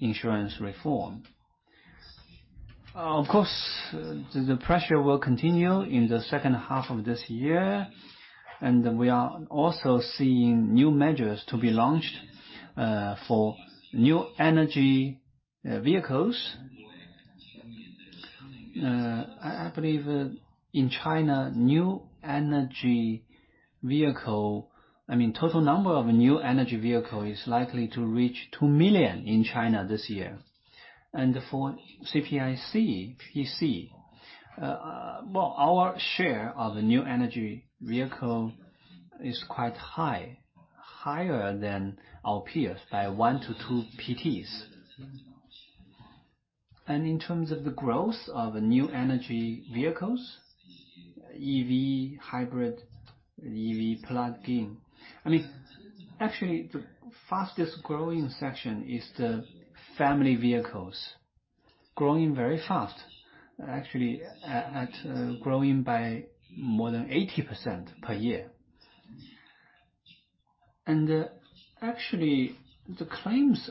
insurance reform. Of course, the pressure will continue in the second half of this year, and we are also seeing new measures to be launched for new energy vehicles. I believe in China, new energy vehicle, total number of new energy vehicle is likely to reach 2 million in China this year. For CPIC P&C, our share of the new energy vehicle is quite higher than our peers by 1-2 percentage points. In terms of the growth of new energy vehicles, EV, Hybrid EV, Plug-in. Actually, the fastest-growing section is the family vehicles. Growing very fast, actually, growing by more than 80% per year. Actually, the claims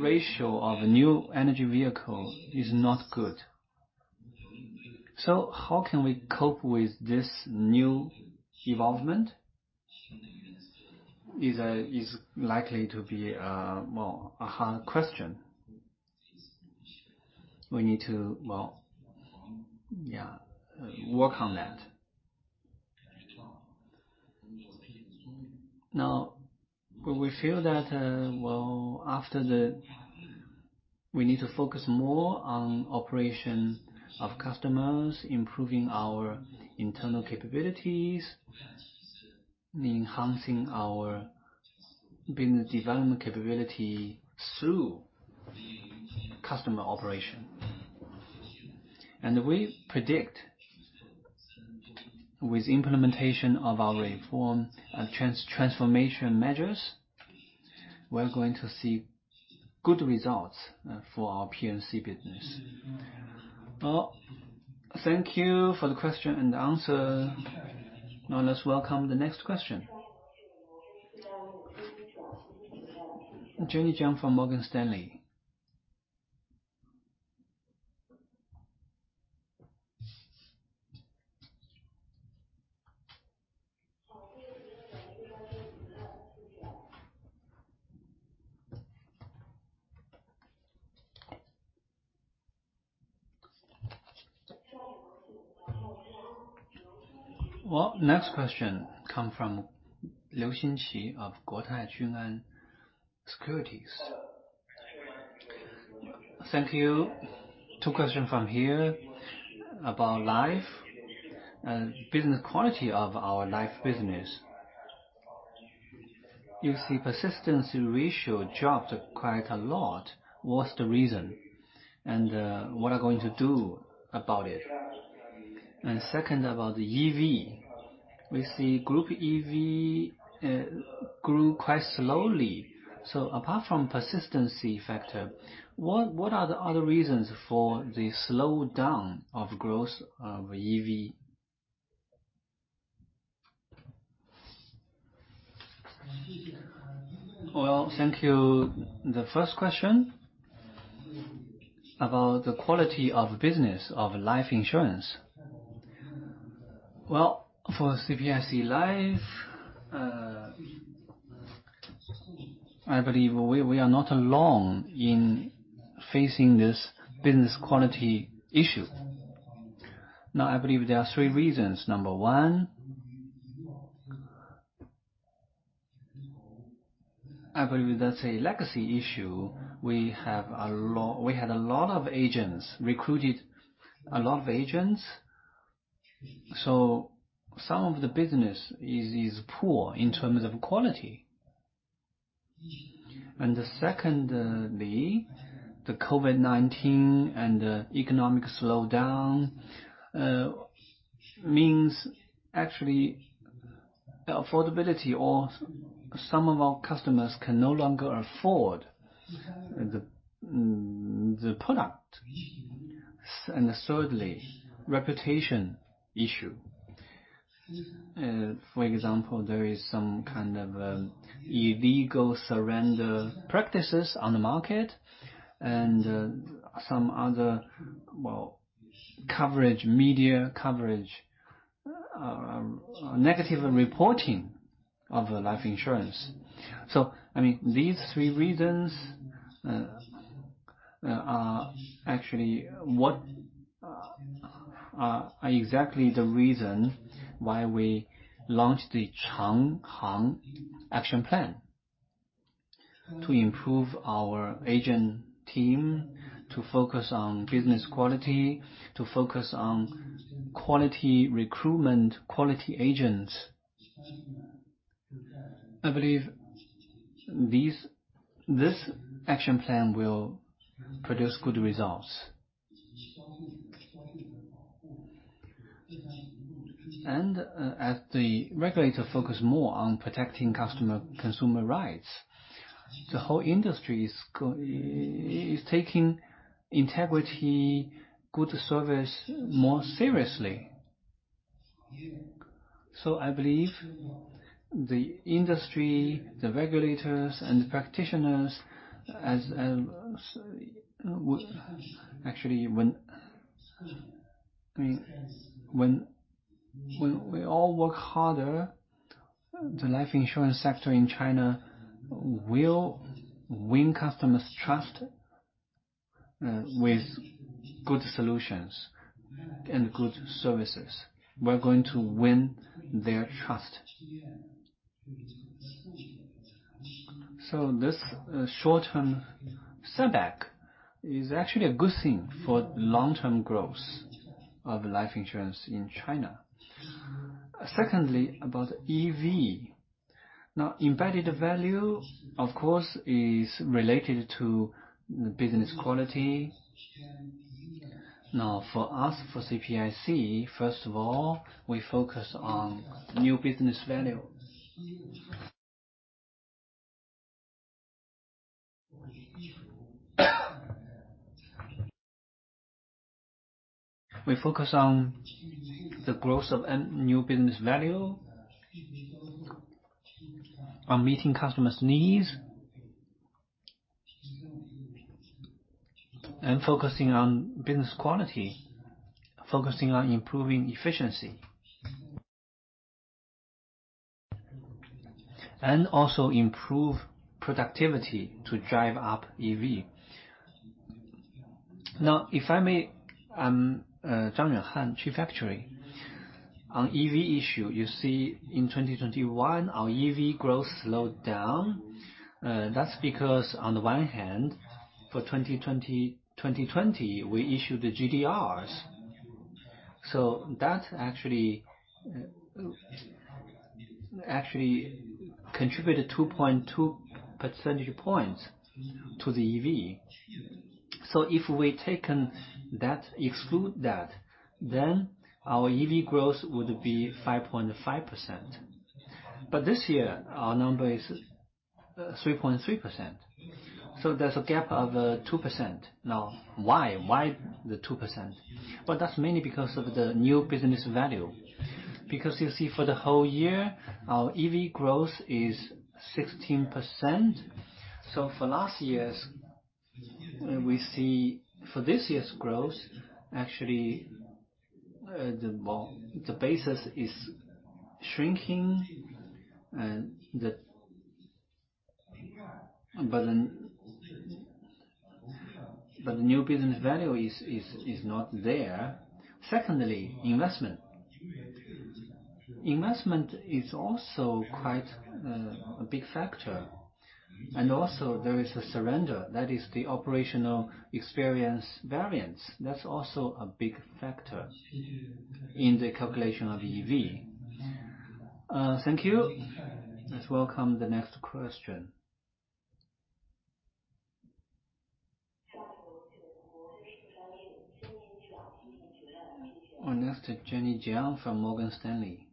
ratio of new energy vehicle is not good. How can we cope with this new development is likely to be a hard question. We need to work on that. We feel that we need to focus more on operation of customers, improving our internal capabilities, enhancing our business development capability through customer operation. We predict with implementation of our reform and transformation measures, we're going to see good results for our P&C business. Thank you for the question and answer. Let's welcome the next question. Jenny Jiang from Morgan Stanley. Next question come from Liu Xinqi of Guotai Junan Securities. Thank you. Two question from here about life and business quality of our life business. You see persistency ratio dropped quite a lot. What's the reason? What are you going to do about it? Second, about EV. We see group EV grew quite slowly. Apart from persistency factor, what are the other reasons for the slowdown of growth of EV? Well, thank you. The first question about the quality of business of life insurance. Well, for CPIC Life, I believe we are not alone in facing this business quality issue. Now, I believe there are three reasons. Number one, I believe that's a legacy issue. We had a lot of agents, recruited a lot of agents. Some of the business is poor in terms of quality. Secondly, the COVID-19 and economic slowdown means actually affordability or some of our customers can no longer afford the product. Thirdly, reputation issue. For example, there is some kind of illegal surrender practices on the market and some other media coverage, negative reporting of life insurance. These three reasons are exactly the reason why we launched the Changhang Action Plan. To improve our agent team, to focus on business quality, to focus on quality recruitment, quality agents. I believe this action plan will produce good results. As the regulator focus more on protecting consumer rights, the whole industry is taking integrity, good service more seriously. I believe the industry, the regulators, and practitioners, when we all work harder, the life insurance sector in China will win customers' trust with good solutions and good services. We're going to win their trust. This short-term setback is actually a good thing for long-term growth of life insurance in China. Secondly, about EV. Now embedded value, of course, is related to business quality. Now for us, for CPIC, first of all, we focus on New Business Value. We focus on the growth of new business value, on meeting customers' needs, and focusing on business quality, focusing on improving efficiency. Also improve productivity to drive up EV. If I may, I'm Zhang Yuanhan, Chief Actuary. On EV issue, you see in 2021, our EV growth slowed down. That's because on the one hand, for 2020, we issued the GDRs. That actually contributed 2.2 percentage points to the EV. If we exclude that, then our EV growth would be 5.5%. This year, our number is 3.3%. There's a gap of 2%. Why the 2%? That's mainly because of the new business value. You see for the whole year, our EV growth is 16%. For this year's growth, actually, the basis is shrinking, but the new business value is not there. Secondly, investment. Investment is also quite a big factor. Also there is a surrender, that is the operational experience variance. That's also a big factor in the calculation of EV. Thank you. Let's welcome the next question. Our next is Jenny Jiang from Morgan Stanley.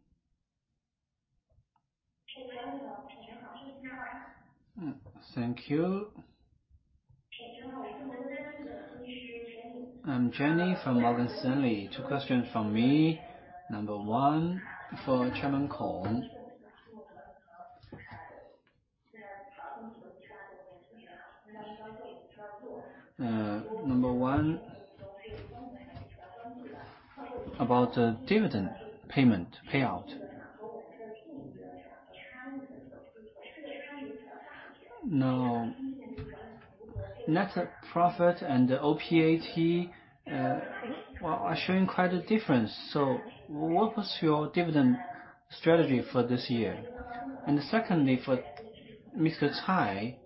Thank you. I'm Jenny from Morgan Stanley. Two questions from me. Number one, for Chairman Kong. Number one, about dividend payment payout. Net profit and the OPAT are showing quite a difference. What was your dividend strategy for this year? Secondly, for Mr. Cai.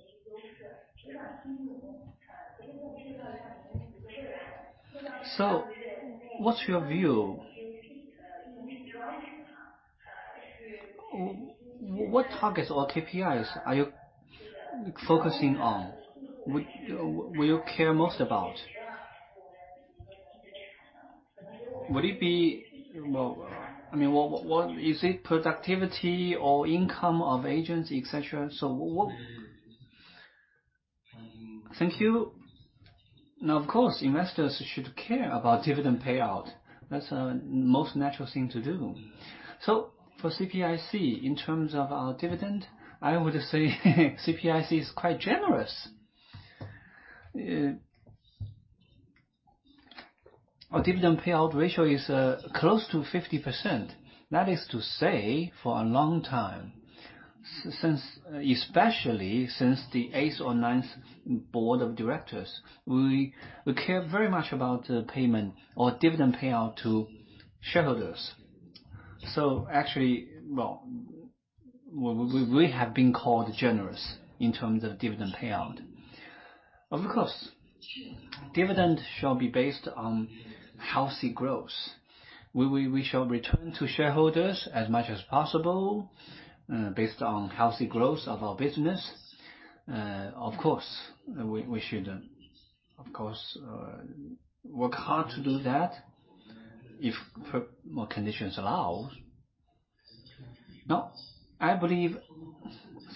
What's your view? What targets or Key Performance Indicators are you focusing on? What do you care most about? Is it productivity or income of agents, et cetera? Thank you. Of course, investors should care about dividend payout. That's the most natural thing to do. For CPIC, in terms of our dividend, I would say CPIC is quite generous. Our dividend payout ratio is close to 50%. That is to say, for a long time, especially since the eighth or ninth board of directors, we care very much about the payment or dividend payout to shareholders. Actually, we have been called generous in terms of dividend payout. Of course, dividend shall be based on healthy growth. We shall return to shareholders as much as possible based on healthy growth of our business. Of course, we should work hard to do that if more conditions allow. Now, I believe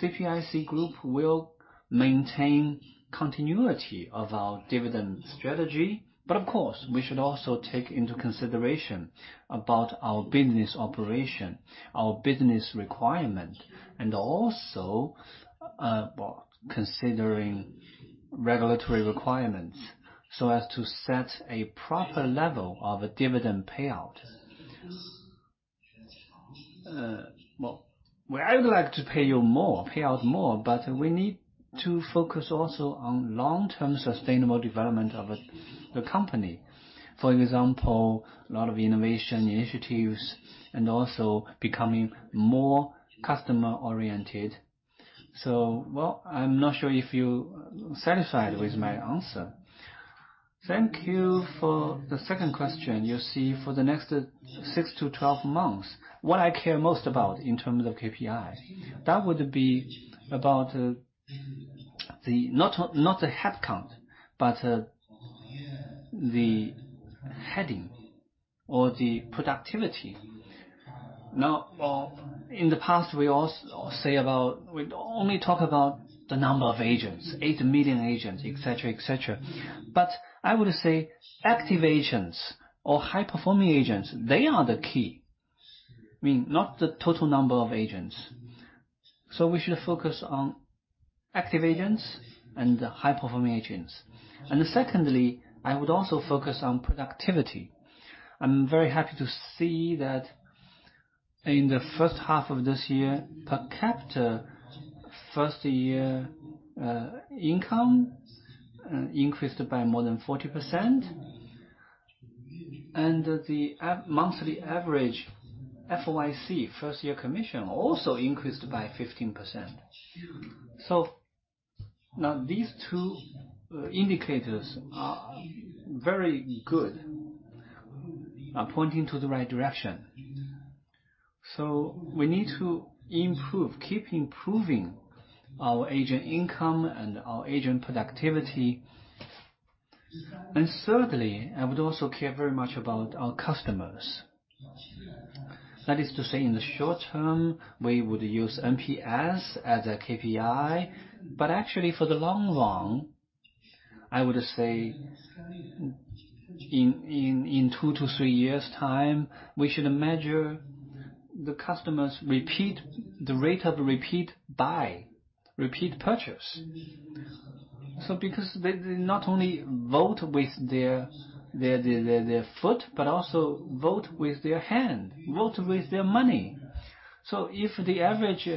CPIC Group will maintain continuity of our dividend strategy. Of course, we should also take into consideration about our business operation, our business requirement, and also considering regulatory requirements so as to set a proper level of dividend payout. Well, I would like to pay you more, pay out more, but we need to focus also on long-term sustainable development of the company. For example, lot of innovation initiatives and also becoming more customer-oriented. Well, I'm not sure if you are satisfied with my answer. Thank you for the second question. You see, for the next six to 12 months, what I care most about in terms of KPI, that would be about, not the headcount, but the heading or the productivity. In the past, we'd only talk about the number of agents, eight million agents, et cetera. I would say active agents or high-performing agents, they are the key. I mean, not the total number of agents. We should focus on active agents and high-performing agents. Secondly, I would also focus on productivity. I'm very happy to see that in the first half of this year, per capita first year income increased by more than 40%. The monthly average FYC, first year commission, also increased by 15%. Now these two indicators are very good, are pointing to the right direction. We need to keep improving our agent income and our agent productivity. Thirdly, I would also care very much about our customers. That is to say, in the short term, we would use Net Promoter Score as a KPI. Actually for the long run, I would say in two to three years time, we should measure the rate of repeat buy, repeat purchase. Because they not only vote with their foot, but also vote with their hand, vote with their money. If the average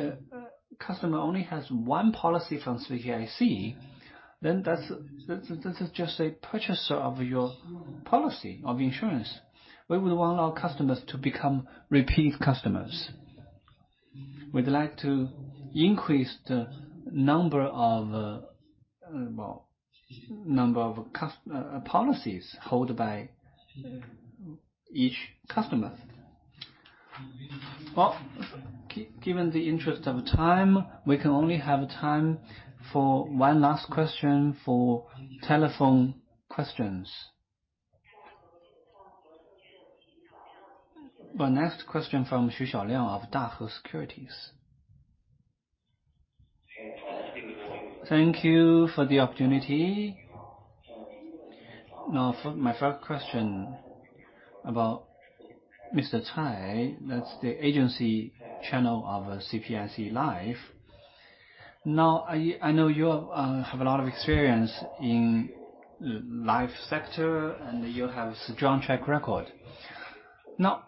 customer only has one policy from CPIC, then this is just a purchaser of your policy of insurance. We would want our customers to become repeat customers. We'd like to increase the number of policies held by each customer. Well, given the interest of time, we can only have time for one last question for telephone questions. The next question from Li Jianping of Sino-Link Securities. Thank you for the opportunity. My first question about Mr. Cai, that's the agency channel of CPIC Life. I know you have a lot of experience in life sector, and you have a strong track record. What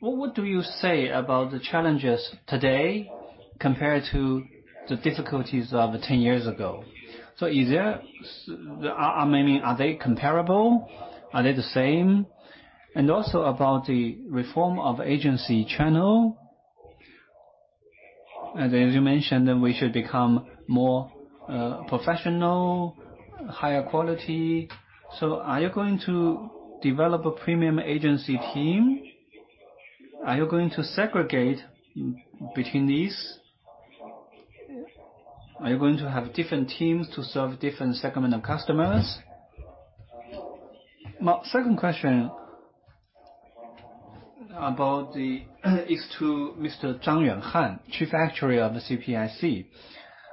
would you say about the challenges today compared to the difficulties of 10 years ago? I mean, are they comparable? Are they the same? Also about the reform of agency channel. As you mentioned, we should become more professional, higher quality. Are you going to develop a premium agency team? Are you going to segregate between these? Are you going to have different teams to serve different segment of customers? My second question is to Mr. Zhang Yuanhan, Chief Actuary of the CPIC,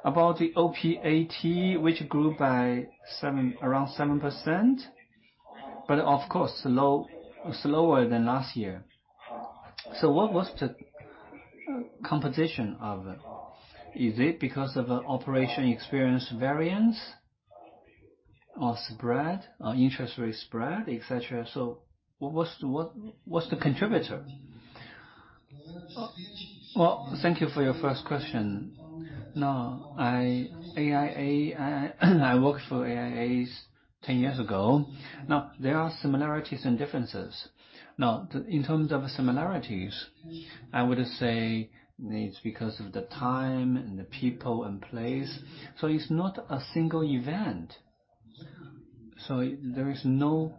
about the OPAT, which grew by around 7%, but of course slower than last year. What was the composition of it? Is it because of operation experience variance or spread or interest rate spread, et cetera? What's the contributor? Well, thank you for your first question. Now, I worked for AIA 10 years ago. Now, there are similarities and differences. Now, in terms of similarities, I would say it's because of the time and the people and place. It's not a single event. There is no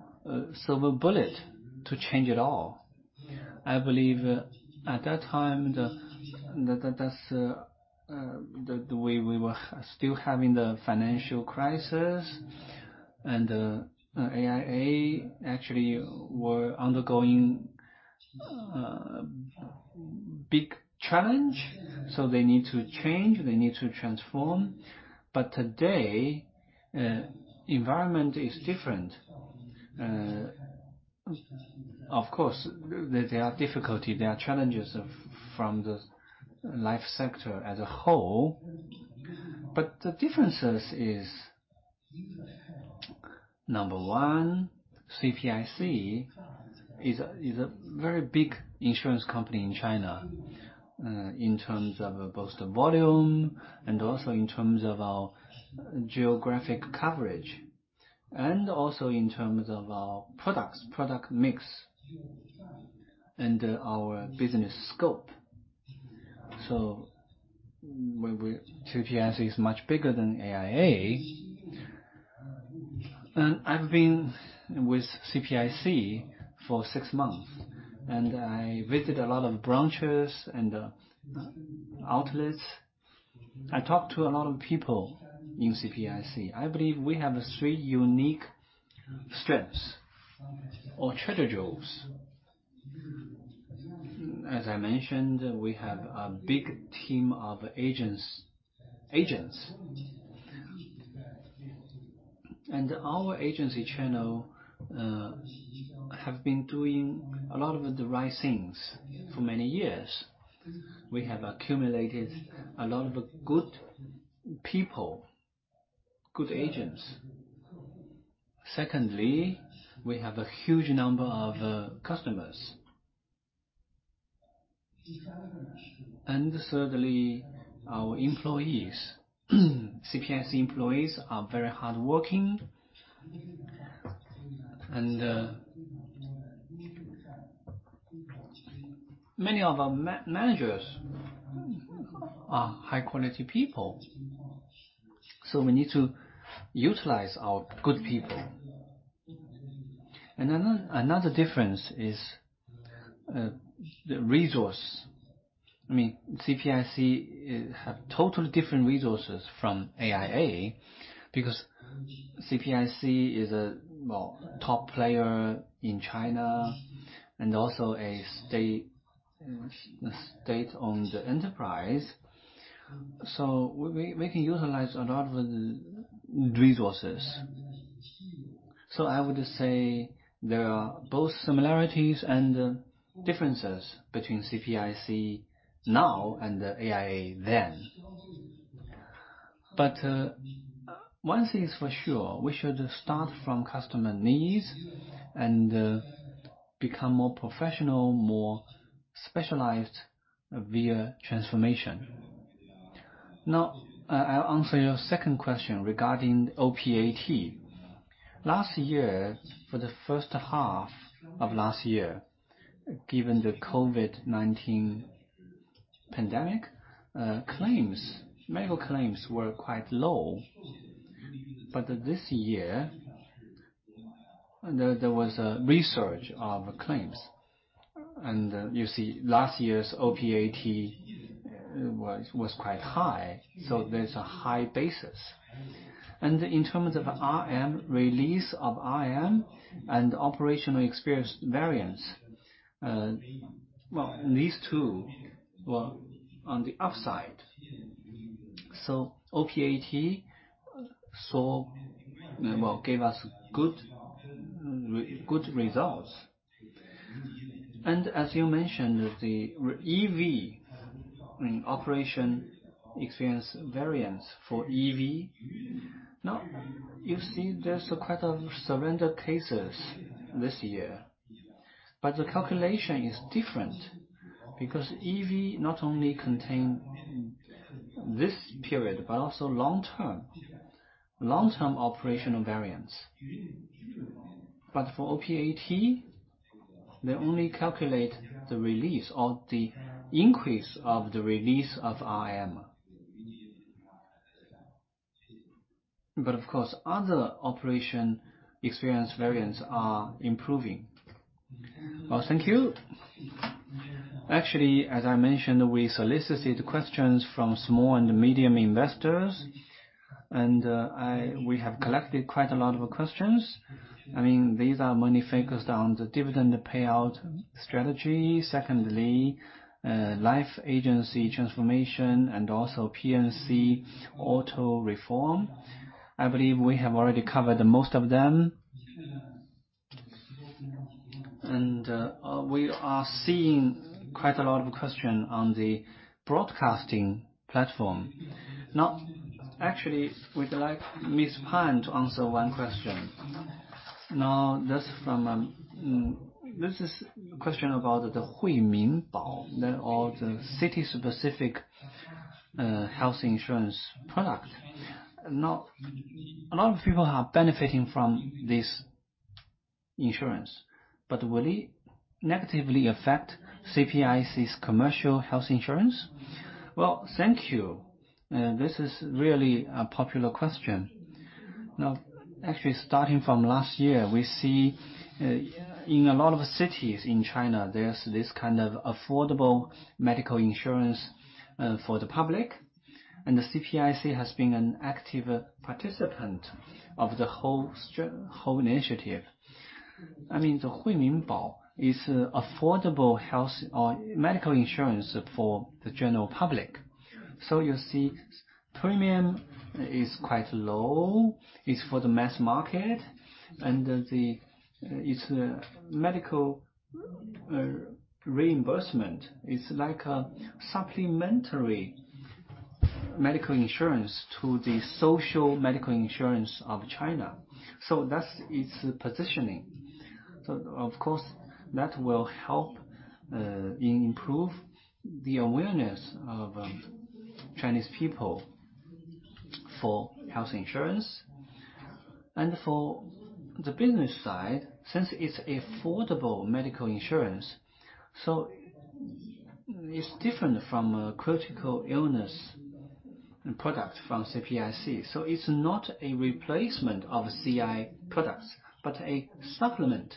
silver bullet to change it all. I believe at that time, we were still having the financial crisis, AIA actually were undergoing a big challenge. They need to change, they need to transform. Today, environment is different. Of course, there are difficulty, there are challenges from the life sector as a whole. The differences is Number one, CPIC is a very big insurance company in China in terms of both the volume, and also in terms of our geographic coverage, and also in terms of our product mix, and our business scope. CPIC is much bigger than AIA. I've been with CPIC for six months, and I visit a lot of branches and outlets. I talk to a lot of people in CPIC. I believe we have three unique strengths or treasure jewels. As I mentioned, we have a big team of agents. Our agency channel have been doing a lot of the right things for many years. We have accumulated a lot of good people, good agents. Secondly, we have a huge number of customers. Thirdly, our employees. CPIC employees are very hardworking, and many of our managers are high-quality people. We need to utilize our good people. Another difference is the resource. CPIC have totally different resources from AIA, because CPIC is a top player in China, and also a state-owned enterprise. We can utilize a lot of resources. I would say there are both similarities and differences between CPIC now and AIA then. One thing is for sure, we should start from customer needs and become more professional, more specialized via transformation. Now, I'll answer your second question regarding OPAT. For the first half of last year, given the COVID-19 pandemic, medical claims were quite low. This year, there was a resurge of claims. You see last year's OPAT was quite high, so there's a high basis. In terms of RM, release of RM, and operational experience variance, these two were on the upside. OPAT gave us good results. As you mentioned, the EV, operation experience variance for EV. Now you see there's quite a surrender cases this year. The calculation is different, because EV not only contain this period, but also long-term operational variance. For OPAT, they only calculate the release or the increase of the release of RM. Of course, other operation experience variance are improving. Well, thank you. Actually, as I mentioned, we solicited questions from small and medium investors, and we have collected quite a lot of questions. These are mainly focused on the dividend payout strategy. Secondly, life agency transformation and also P&C auto reform. I believe we have already covered most of them. We are seeing quite a lot of questions on the broadcasting platform. Actually, we'd like Ms. Pan to answer one question. This is a question about the Huimin Bao, or the city-specific health insurance product. A lot of people are benefiting from this insurance, but will it negatively affect CPIC's commercial health insurance? Thank you. This is really a popular question. Actually starting from last year, we see in a lot of cities in China, there's this kind of affordable medical insurance for the public, and the CPIC has been an active participant of the whole initiative. The Huimin Bao is affordable medical insurance for the general public. You see, premium is quite low. It's for the mass market, its medical reimbursement. It's like a supplementary medical insurance to the social medical insurance of China. That's its positioning. Of course, that will help improve the awareness of Chinese people for health insurance. For the business side, since it's affordable medical insurance, it's different from a critical illness product from CPIC. It's not a replacement of CI products, but a supplement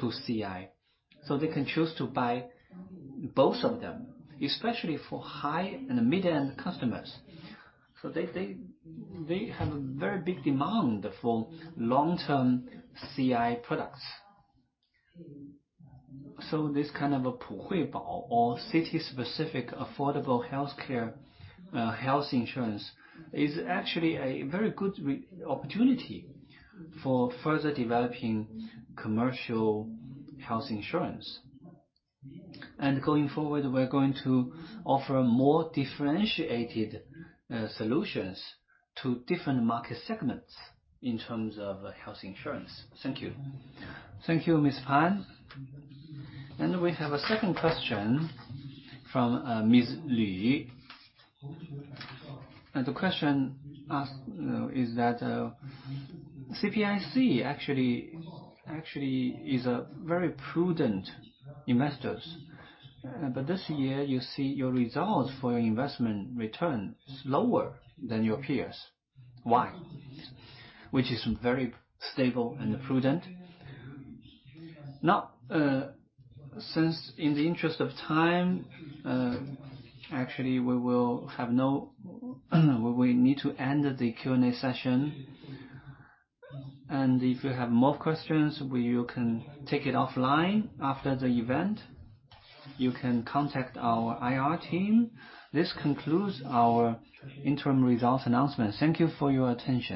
to CI. They can choose to buy both of them, especially for high- and mid-end customers. They have a very big demand for long-term CI products. This kind of a Huimin Bao or city-specific affordable healthcare health insurance is actually a very good opportunity for further developing commercial health insurance. Going forward, we're going to offer more differentiated solutions to different market segments in terms of health insurance. Thank you. Thank you, Ms. Pan. We have a second question from Ms. Lu. The question asked is that CPIC actually is a very prudent investor. This year you see your results for your investment return is lower than your peers. Why? Which is very stable and prudent. Now, since in the interest of time, actually, we need to end the Q&A session. If you have more questions, you can take it offline after the event. You can contact our IR team. This concludes our interim results announcement. Thank you for your attention.